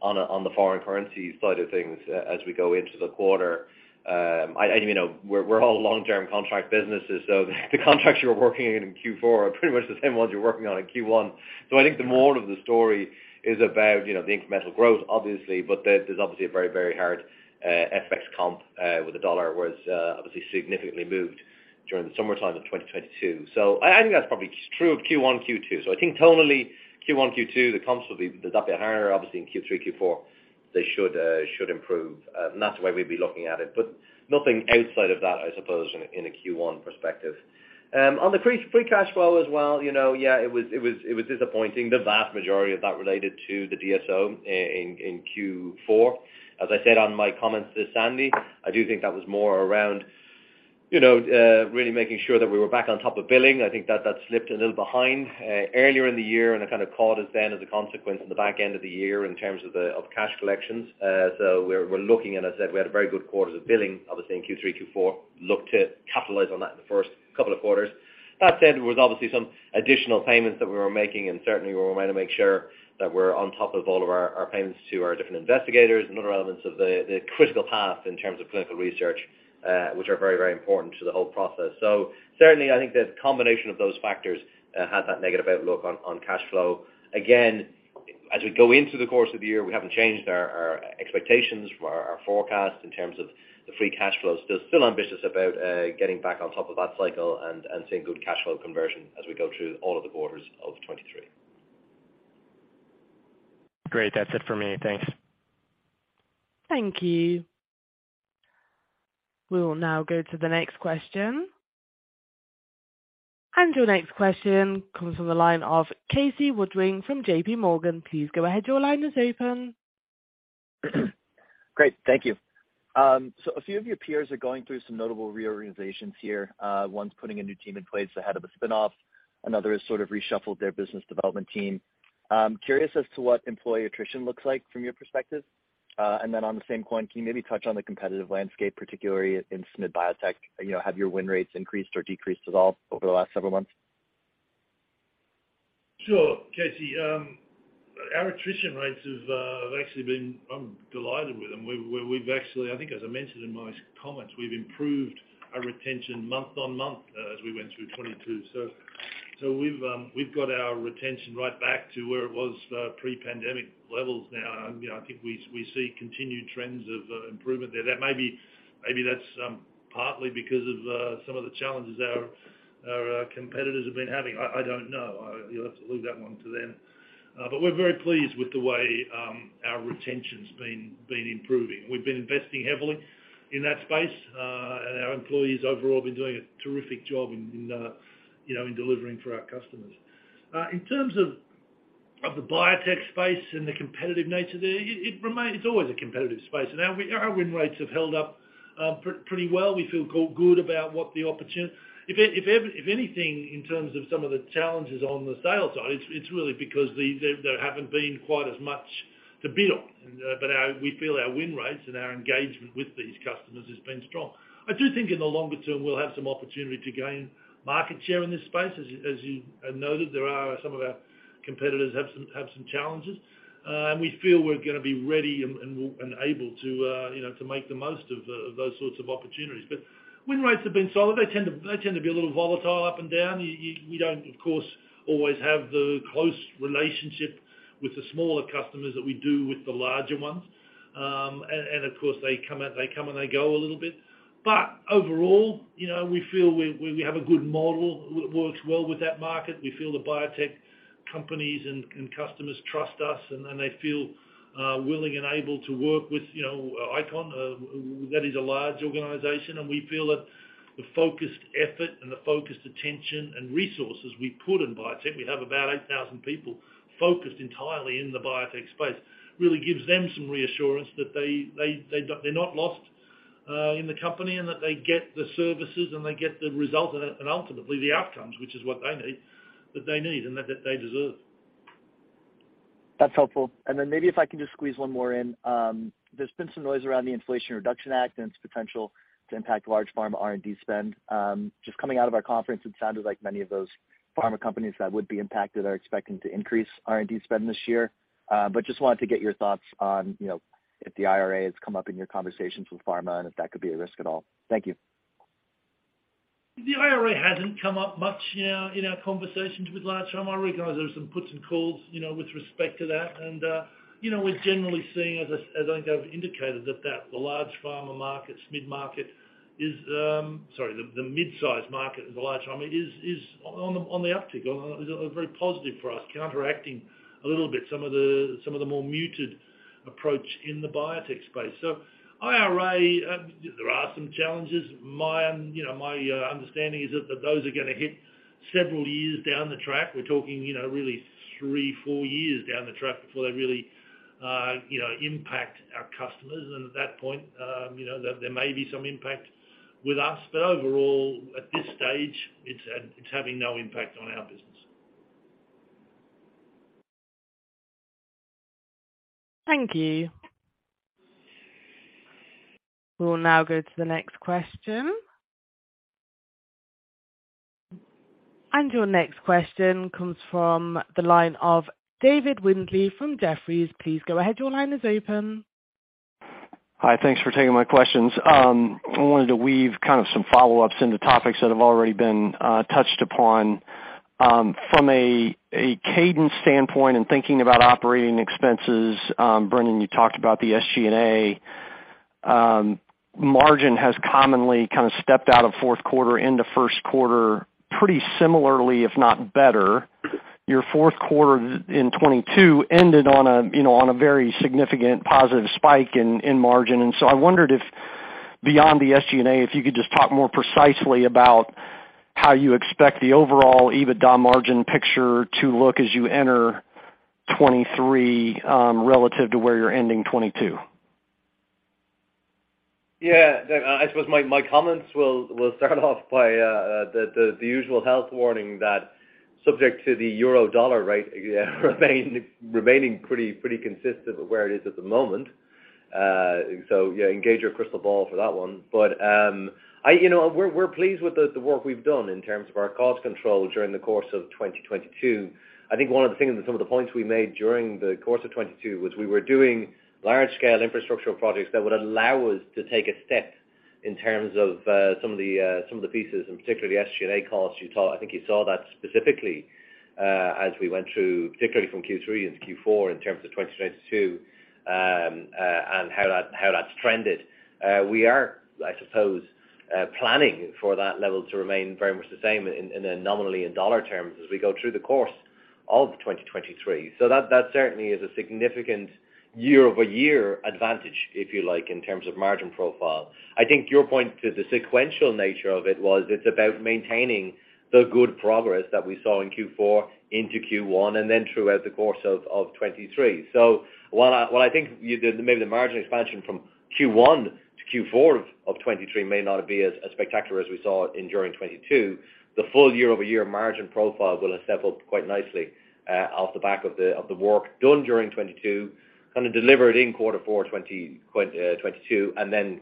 on the foreign currency side of things as we go into the quarter. You know, we're all long-term contract businesses, so the contracts you're working in Q4 are pretty much the same ones you're working on in Q1. I think the moral of the story is about, you know, the incremental growth, obviously, but there's obviously a very, very hard FX comp with the dollar, whereas obviously significantly moved during the summertime of 2022. I think that's probably true of Q1, Q2. I think tonally, Q1, Q2, the comps will be a bit higher. Obviously, in Q3, Q4, they should improve. That's the way we'd be looking at it. Nothing outside of that, I suppose, in a Q1 perspective. On the free cash flow as well, you know, yeah, it was disappointing. The vast majority of that related to the DSO in Q4. As I said on my comments to Sandy, I do think that was more around, you know, really making sure that we were back on top of billing. I think that slipped a little behind earlier in the year, and it kind of caught us then as a consequence in the back end of the year in terms of cash collections. We're looking, and I said we had a very good quarter of billing, obviously in Q3, Q4. Look to capitalize on that in the first couple of quarters. There was obviously some additional payments that we were making, and certainly we're wanting to make sure that we're on top of all of our payments to our different investigators and other elements of the critical path in terms of clinical research, which are very, very important to the whole process. Certainly, I think the combination of those factors had that negative outlook on cash flow. Again, as we go into the course of the year, we haven't changed our expectations for our forecast in terms of the free cash flow. Still ambitious about getting back on top of that cycle and seeing good cash flow conversion as we go through all of the quarters of 2023. Great. That's it for me. Thanks. Thank you. We'll now go to the next question. Your next question comes from the line of Casey Woodring from JP Morgan. Please go ahead. Your line is open. Great. Thank you. A few of your peers are going through some notable reorganizations here. One's putting a new team in place ahead of a spin-off. Another has sort of reshuffled their business development team. I'm curious as to what employee attrition looks like from your perspective. On the same coin, can you maybe touch on the competitive landscape, particularly in SMID Biotech? You know, have your win rates increased or decreased at all over the last several months? Sure, Casey. Our attrition rates have actually been... I'm delighted with them. We've actually, I think as I mentioned in my comments, we've improved our retention month-on-month as we went through 22. We've got our retention right back to where it was pre-pandemic levels now. You know, I think we see continued trends of improvement there. That may be, maybe that's partly because of some of the challenges our competitors have been having. I don't know. You'll have to leave that one to them. We're very pleased with the way our retention's been improving. We've been investing heavily in that space, and our employees overall have been doing a terrific job in, you know, in delivering for our customers. In terms of the biotech space and the competitive nature there, it's always a competitive space. Our win rates have held up pretty well. We feel good about. If anything, in terms of some of the challenges on the sales side, it's really because the, there haven't been quite as much to bid on. Our, we feel our win rates and our engagement with these customers has been strong. I do think in the longer term, we'll have some opportunity to gain market share in this space. As you noted, there are some of our competitors have some challenges. We feel we're gonna be ready and able to, you know, to make the most of those sorts of opportunities. Win rates have been solid. They tend to be a little volatile up and down. You don't, of course, always have the close relationship with the smaller customers that we do with the larger ones. And of course, they come out, they come, and they go a little bit. Overall, you know, we feel we have a good model works well with that market. We feel the biotech companies and customers trust us, and they feel willing and able to work with, you know, ICON, which is a large organization. We feel that the focused effort and the focused attention and resources we put in biotech, we have about 8,000 people focused entirely in the biotech space, really gives them some reassurance that they do- they're not lost in the company and that they get the services and they get the result and ultimately the outcomes, which is what they need, that they need and that they deserve. That's helpful. Maybe if I can just squeeze one more in. There's been some noise around the Inflation Reduction Act and its potential to impact large pharma R&D spend. Just coming out of our conference, it sounded like many of those pharma companies that would be impacted are expecting to increase R&D spend this year. Just wanted to get your thoughts on, you know, if the IRA has come up in your conversations with pharma and if that could be a risk at all. Thank you. The IRA hasn't come up much in our conversations with large pharma. I recognize there are some puts and calls, you know, with respect to that. You know, we're generally seeing, as I think I've indicated, that the large pharma markets, mid-market is, sorry, the mid-size market in the large pharma is on the uptick. Is a very positive for us, counteracting a little bit some of the more muted approach in the biotech space. IRA, there are some challenges. My, you know, my understanding is that those are gonna hit several years down the track. We're talking, you know, really three, four years down the track before they really, you know, impact our customers. At that point, you know, there may be some impact with us. Overall, at this stage, it's having no impact on our business. Thank you. We'll now go to the next question. Your next question comes from the line of David Windley from Jefferies. Please go ahead. Your line is open. Hi. Thanks for taking my questions. I wanted to weave kind of some follow-ups into topics that have already been touched upon. From a cadence standpoint and thinking about operating expenses, Brendan, you talked about the SG&A margin has commonly kind of stepped out of Q4 into Q1 pretty similarly, if not better. Your Q4 in 2022 ended on a, you know, on a very significant positive spike in margin. I wondered if beyond the SG&A, if you could just talk more precisely about how you expect the overall EBITDA margin picture to look as you enter 2023, relative to where you're ending 2022. I suppose my comments will start off by the usual health warning that subject to the euro dollar rate remaining pretty consistent with where it is at the moment. Engage your crystal ball for that one. You know, we're pleased with the work we've done in terms of our cost control during the course of 2022. I think one of the things and some of the points we made during the course of 2022 was we were doing large scale infrastructural projects that would allow us to take a step in terms of some of the pieces, and particularly the SG&A costs you saw. I think you saw that specifically, as we went through, particularly from Q3 into Q4 in terms of 2022, and how that, how that's trended. We are, I suppose, planning for that level to remain very much the same in, and then nominally in dollar terms as we go through the course of 2023. That certainly is a significant year-over-year advantage, if you like, in terms of margin profile. I think your point to the sequential nature of it was it's about maintaining the good progress that we saw in Q4 into Q1, and then throughout the course of 2023. While I think maybe the margin expansion from Q1 to Q4 of 2023 may not be as spectacular as we saw during 2022, the full year-over-year margin profile will have stepped up quite nicely off the back of the work done during 2022, kind of delivered in Q4 2022, and then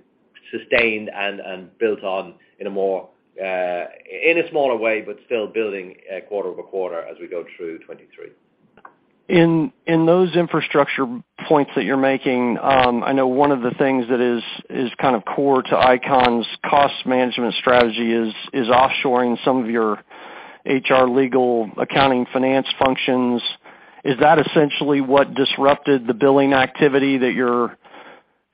sustained and built on in a more in a smaller way, but still building quarter-over-quarter as we go through 2023. In those infrastructure points that you're making, I know one of the things that is kind of core to ICON's cost management strategy is offshoring some of your HR legal accounting finance functions. Is that essentially what disrupted the billing activity that you're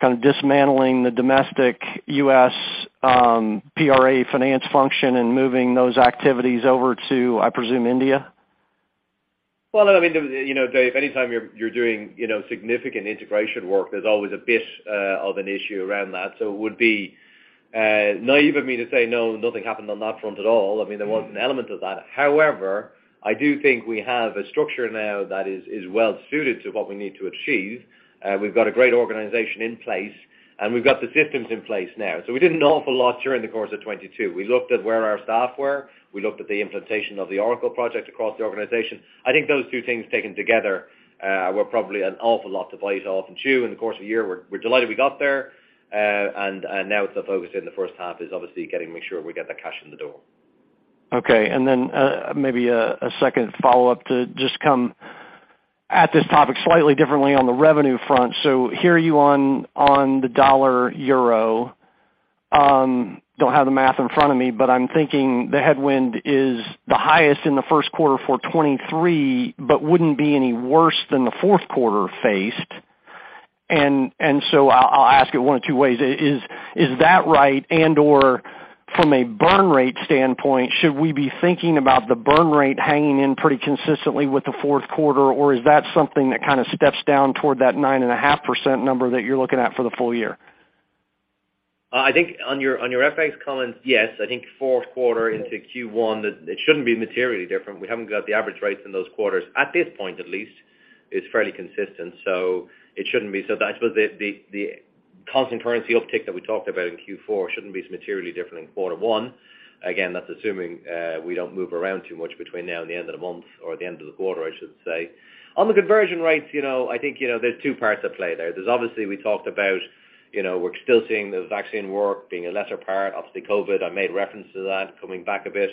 kind of dismantling the domestic U.S., PRA finance function and moving those activities over to, I presume, India? Well, I mean, you know, Dave, anytime you're doing, you know, significant integration work, there's always a bit of an issue around that. It would be naive of me to say, No, nothing happened on that front at all. I mean, there was an element of that. However, I do think we have a structure now that is well suited to what we need to achieve. We've got a great organization in place, and we've got the systems in place now. We did an awful lot during the course of 2022. We looked at where our staff were. We looked at the implementation of the Oracle project across the organization. I think those two things taken together, were probably an awful lot to bite off and chew in the course of a year. We're delighted we got there. Now the focus in the first half is obviously getting to make sure we get the cash in the door. Okay. maybe a second follow-up to just come at this topic slightly differently on the revenue front. Hear you on the dollar EUR. Don't have the math in front of me, but I'm thinking the headwind is the highest in the first quarter for 2023, but wouldn't be any worse than Q4 faced. I'll ask it one of two ways. Is that right? From a burn rate standpoint, should we be thinking about the burn rate hanging in pretty consistently with Q4, or is that something that kind of steps down toward that 9.5% number that you're looking at for the full year? I think on your, on your FX comment, yes. I think Q4 into Q1 that it shouldn't be materially different. We haven't got the average rates in those quarters at this point at least. It's fairly consistent, it shouldn't be. I suppose the constant currency uptick that we talked about in Q4 shouldn't be materially different in quarter one. Again, that's assuming we don't move around too much between now and the end of the month or the end of the quarter, I should say. On the conversion rates, you know, I think, you know, there are two parts at play there. There's obviously we talked about, you know, we're still seeing the vaccine work being a lesser part, obviously COVID, I made reference to that, coming back a bit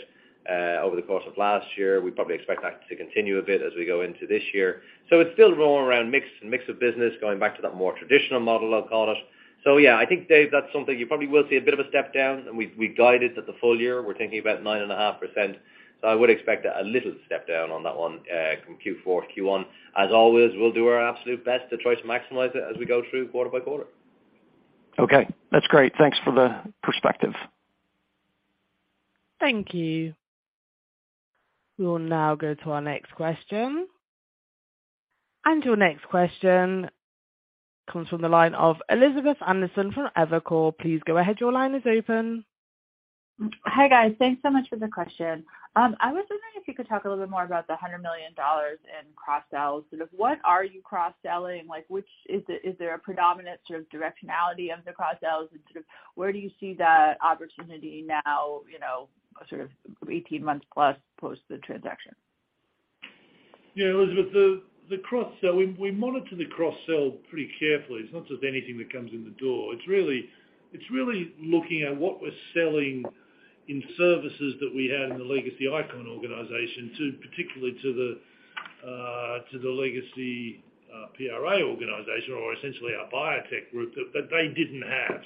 over the course of last year. We probably expect that to continue a bit as we go into this year. It's still more around mix and mix of business going back to that more traditional model, I'll call it. Yeah, I think, Dave, that's something you probably will see a bit of a step down, and we've guided that the full year. We're thinking about 9.5%. I would expect a little step down on that one from Q4 to Q1. As always, we'll do our absolute best to try to maximize it as we go through quarter-by-quarter. Okay. That's great. Thanks for the perspective. Thank you. We'll now go to our next question. Your next question comes from the line of Elizabeth Anderson from Evercore. Please go ahead. Your line is open. Hi, guys. Thanks so much for the question. I was wondering if you could talk a little bit more about the $100 million in cross-sells and of what are you cross-selling, like which is the Is there a predominant sort of directionality of the cross-sells, and sort of where do you see that opportunity now, you know, sort of 18 months plus post the transaction? Yeah, Elizabeth, the cross-sell, we monitor the cross-sell pretty carefully. It's not just anything that comes in the door. It's really looking at what we're selling in services that we had in the legacy ICON organization to particularly to the legacy PRA organization or essentially our biotech group that they didn't have.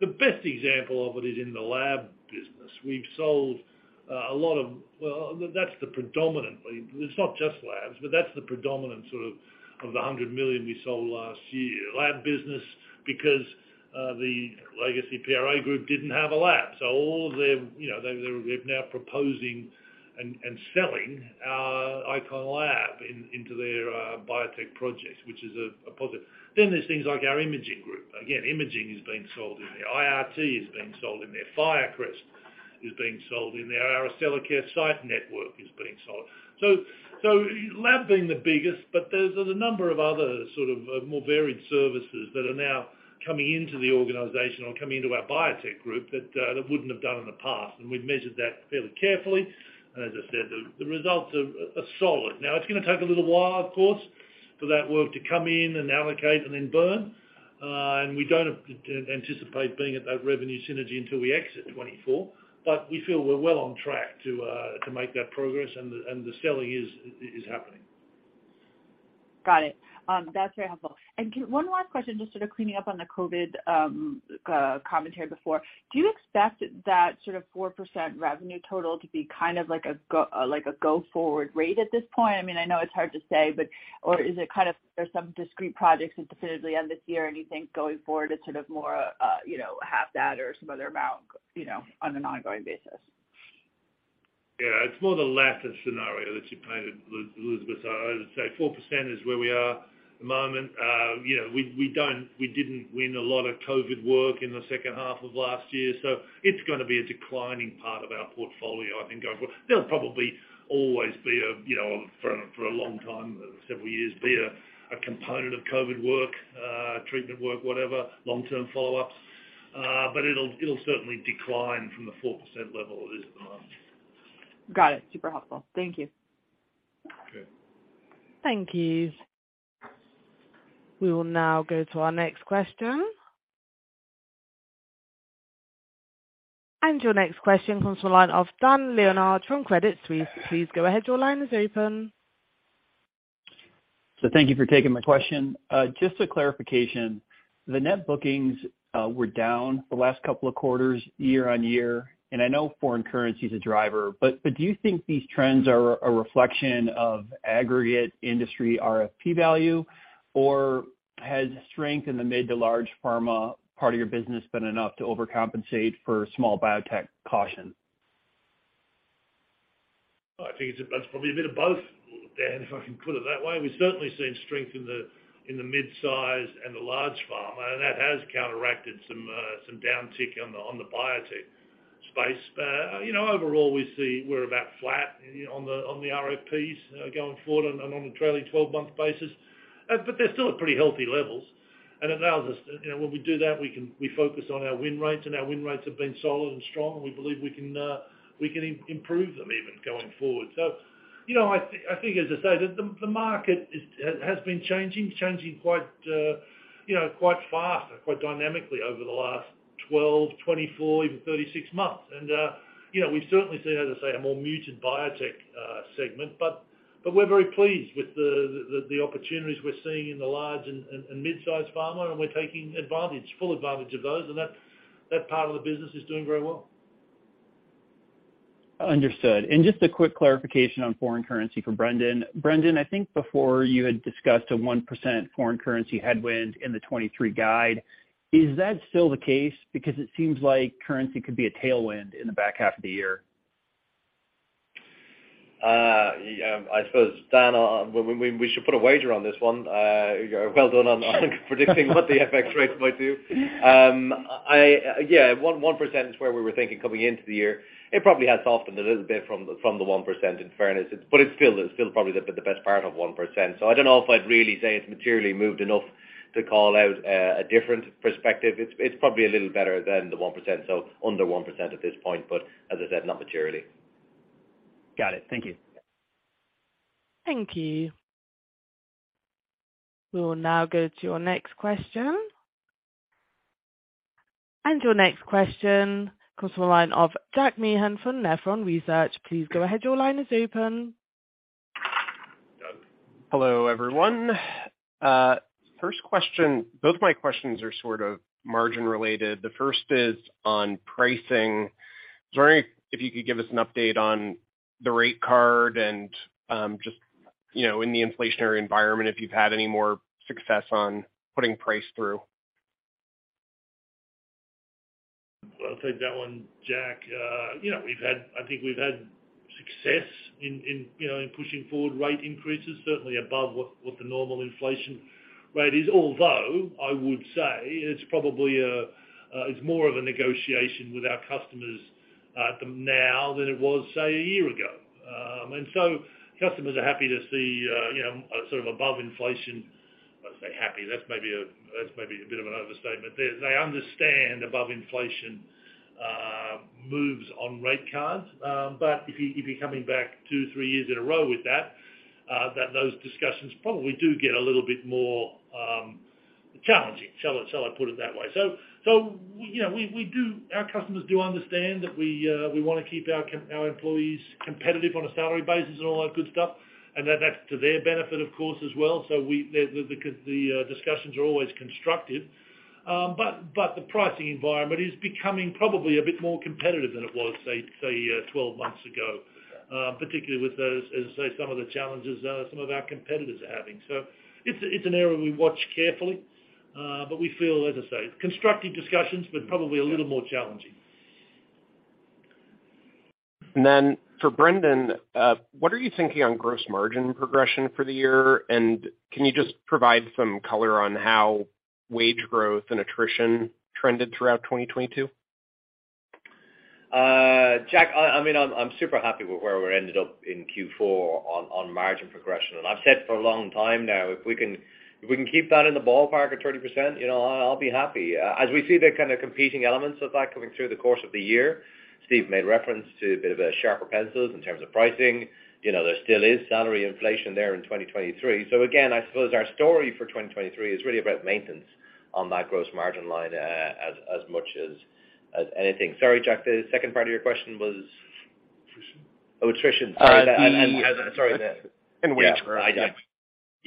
The best example of it is in the lab business. It's not just labs, but that's the predominant sort of the $100 million we sold last year. Lab business, because the legacy PRA group didn't have a lab. All their, you know, they're now proposing and selling ICON labs into their biotech projects, which is a positive. There's things like our imaging group. Again, imaging is being sold in there. IRT is being sold in there. Firecrest is being sold in there. Our Accellacare site network is being sold. Lab being the biggest, but there's a number of other sort of more varied services that are now coming into the organization or coming into our biotech group that wouldn't have done in the past. We've measured that fairly carefully. As I said, the results are solid. It's gonna take a little while, of course, for that work to come in and allocate and then burn. We don't anticipate being at that revenue synergy until we exit 2024, but we feel we're well on track to make that progress, and the selling is happening. Got it. That's very helpful. One last question, just sort of cleaning up on the COVID commentary before. Do you expect that sort of 4% revenue total to be kind of like a go-forward rate at this point? I mean, I know it's hard to say, but. Is it kind of there's some discrete projects that definitively end this year, and you think going forward it's sort of more, you know, half that or some other amount, you know, on an ongoing basis? Yeah. It's more the latter scenario that you painted, Elizabeth. I would say 4% is where we are at the moment. You know, we didn't win a lot of COVID work in the second half of last year, it's gonna be a declining part of our portfolio, I think, going forward. There'll probably always be a, you know, for a long time, several years, be a component of COVID work, treatment work, whatever, long-term follow-ups. It'll certainly decline from the 4% level it is at the moment. Got it. Super helpful. Thank you. Okay. Thank you. We will now go to our next question. Your next question comes from the line of Dan Leonard from Credit Suisse. Please go ahead. Your line is open. Thank you for taking my question. Just a clarification. The net bookings were down the last couple of quarters year on year, and I know foreign currency is a driver, but do you think these trends are a reflection of aggregate industry RFP value, or has strength in the mid to large pharma part of your business been enough to overcompensate for small biotech caution? I think that's probably a bit of both, Dan, if I can put it that way. We've certainly seen strength in the mid-size and the large pharma, and that has counteracted some downtick on the biotech space. you know, overall, we see we're about flat on the RFPs going forward on a trailing 12-month basis. but they're still at pretty healthy levels and allows us to, you know, when we do that, we focus on our win rates, and our win rates have been solid and strong. We believe we can improve them even going forward. you know, I think as I say, the market is, has been changing. It's changing quite, you know, quite fast and quite dynamically over the last 12, 24, even 36 months. You know, we've certainly seen, as I say, a more muted biotech segment. We're very pleased with the opportunities we're seeing in the large and mid-sized pharma, and we're taking advantage, full advantage of those. That part of the business is doing very well. Understood. Just a quick clarification on foreign currency for Brendan. Brendan, I think before you had discussed a 1% foreign currency headwind in the 2023 guide. Is that still the case? It seems like currency could be a tailwind in the back half of the year. Yeah, I suppose, Dan, we should put a wager on this one. Well done on predicting what the FX rates might do. Yeah, 1% is where we were thinking coming into the year. It probably has softened a little bit from the 1% in fairness. It's still probably the best part of 1%. I don't know if I'd really say it's materially moved enough to call out a different perspective. It's probably a little better than the 1%, so under 1% at this point, but as I said, not materially. Got it. Thank you. Thank you. We will now go to your next question. Your next question comes from the line of Jack Meehan from Nephron Research. Please go ahead. Your line is open. Hello, everyone. First question. Both my questions are sort of margin related. The first is on pricing. I was wondering if you could give us an update on the rate card and, just, you know, in the inflationary environment, if you've had any more success on putting price through? I'll take that one, Jack. I think we've had success in, you know, in pushing forward rate increases, certainly above what the normal inflation rate is. Although, I would say it's probably, it's more of a negotiation with our customers, now than it was, say, a year ago. Customers are happy to see, you know, sort of above inflation. I say happy, that's maybe a bit of an overstatement. They understand above inflation moves on rate cards. If you're coming back two, three years in a row with that, those discussions probably do get a little bit more challenging, shall I put it that way. You know, we do understand that we wanna keep our employees competitive on a salary basis and all that good stuff, and that that's to their benefit, of course, as well. The discussions are always constructive. The pricing environment is becoming probably a bit more competitive than it was, say, 12 months ago, particularly with those, as I say, some of the challenges, some of our competitors are having. It's an area we watch carefully, but we feel, as I say, constructive discussions, but probably a little more challenging. For Brendan, what are you thinking on gross margin progression for the year? Can you just provide some color on how wage growth and attrition trended throughout 2022? Jack, I mean, I'm super happy with where we ended up in Q4 on margin progression. I've said for a long time now, if we can keep that in the ballpark of 30%, you know, I'll be happy. As we see the kind of competing elements of that coming through the course of the year, Steve made reference to a bit of a sharper pencils in terms of pricing. You know, there still is salary inflation there in 2023. Again, I suppose our story for 2023 is really about maintenance on that gross margin line as much as anything. Sorry, Jack, the second part of your question was? attrition. Oh, attrition. Sorry. I...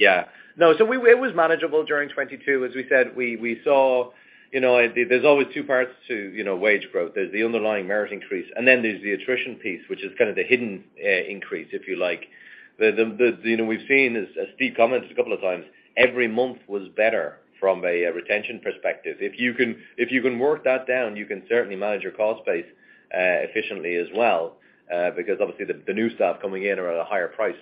Wage growth. It was manageable during 2022. As we said, we saw, you know, there's always two parts to, you know, wage growth. There's the underlying merit increase, and then there's the attrition piece, which is kind of the hidden increase, if you like. You know, we've seen, as Steve commented a couple of times, every month was better from a retention perspective. If you can work that down, you can certainly manage your cost base efficiently as well, because obviously the new staff coming in are at a higher price.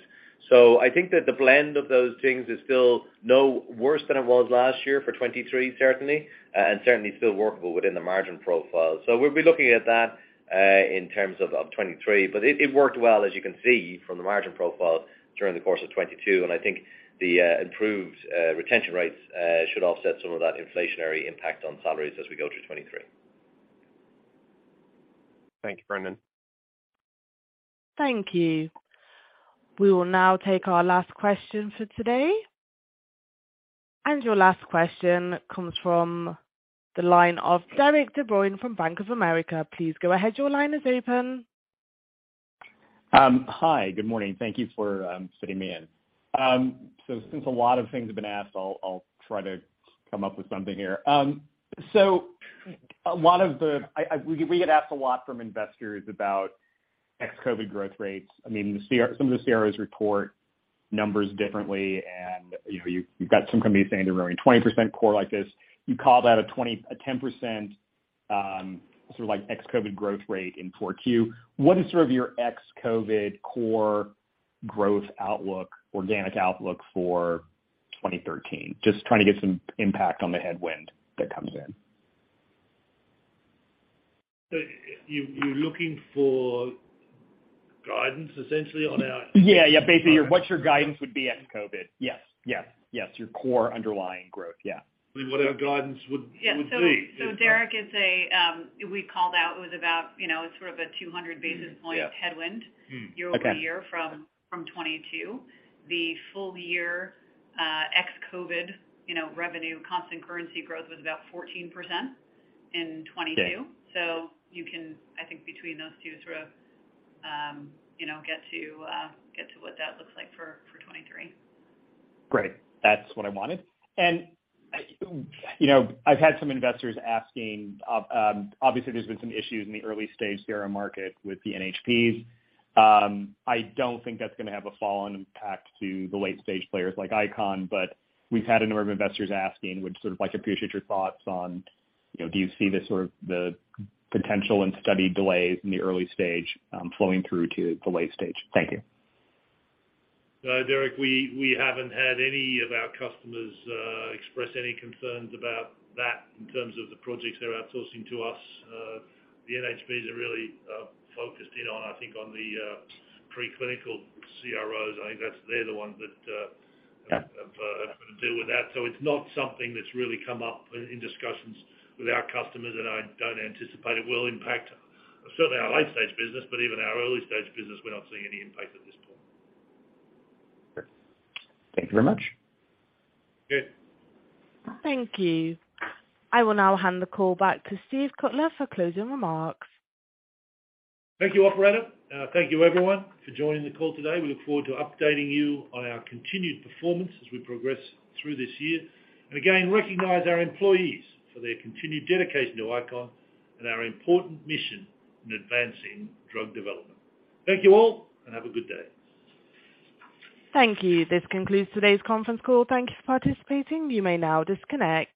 I think that the blend of those things is still no worse than it was last year for 2023, certainly, and certainly still workable within the margin profile. We'll be looking at that in terms of 2023. It worked well, as you can see from the margin profile during the course of 2022. I think the improved retention rates should offset some of that inflationary impact on salaries as we go through 2023. Thank you, Brendan. Thank you. We will now take our last question for today. Your last question comes from the line of Derik De Bruin from Bank of America. Please go ahead. Your line is open. Hi. Good morning. Thank you for fitting me in. Since a lot of things have been asked, I'll try to come up with something here. We get asked a lot from investors about ex-COVID growth rates. I mean, some of the CROs report numbers differently and, you know, you've got some companies saying they're growing 20% core like this. You called out a 10%, sort of like ex-COVID growth rate in 4Q. What is sort of your ex-COVID core growth outlook, organic outlook for 2013? Just trying to get some impact on the headwind that comes in. You're looking for guidance essentially on our-. Yeah, yeah. Basically, what your guidance would be ex-COVID. Yes. Yeah. Yes. Your core underlying growth. Yeah. What our guidance would be? Yeah. Derik, it's a, we called out it was about, you know, sort of a 200 basis point headwind year-over-year from 2022. The full year, ex-COVID, you know, revenue constant currency growth was about 14% in 2022. Yeah. You can, I think between those two, sort of, you know, get to, get to what that looks like for 23. Great. That's what I wanted. You know, I've had some investors asking, obviously there's been some issues in the early-stage CRO market with the NHPs. I don't think that's gonna have a fallen impact to the late-stage players like ICON, but we've had a number of investors asking. Would sort of like appreciate your thoughts on, you know, do you see the sort of the potential in study delays in the early-stage flowing through to the late-stage? Thank you. Derik, we haven't had any of our customers, express any concerns about that in terms of the projects they're outsourcing to us. The NHPs are really, focused in on, I think on the, preclinical CROs. I think that's, they're the ones that. Yeah ...have to deal with that. It's not something that's really come up in discussions with our customers, and I don't anticipate it will impact certainly our late-stage business, but even our early-stage business, we're not seeing any impact at this point. Thank you very much. Good. Thank you. I will now hand the call back to Steve Cutler for closing remarks. Thank you, operator. Thank you everyone for joining the call today. We look forward to updating you on our continued performance as we progress through this year. Again, recognize our employees for their continued dedication to ICON and our important mission in advancing drug development. Thank you all, and have a good day. Thank you. This concludes today's conference call. Thank you for participating. You may now disconnect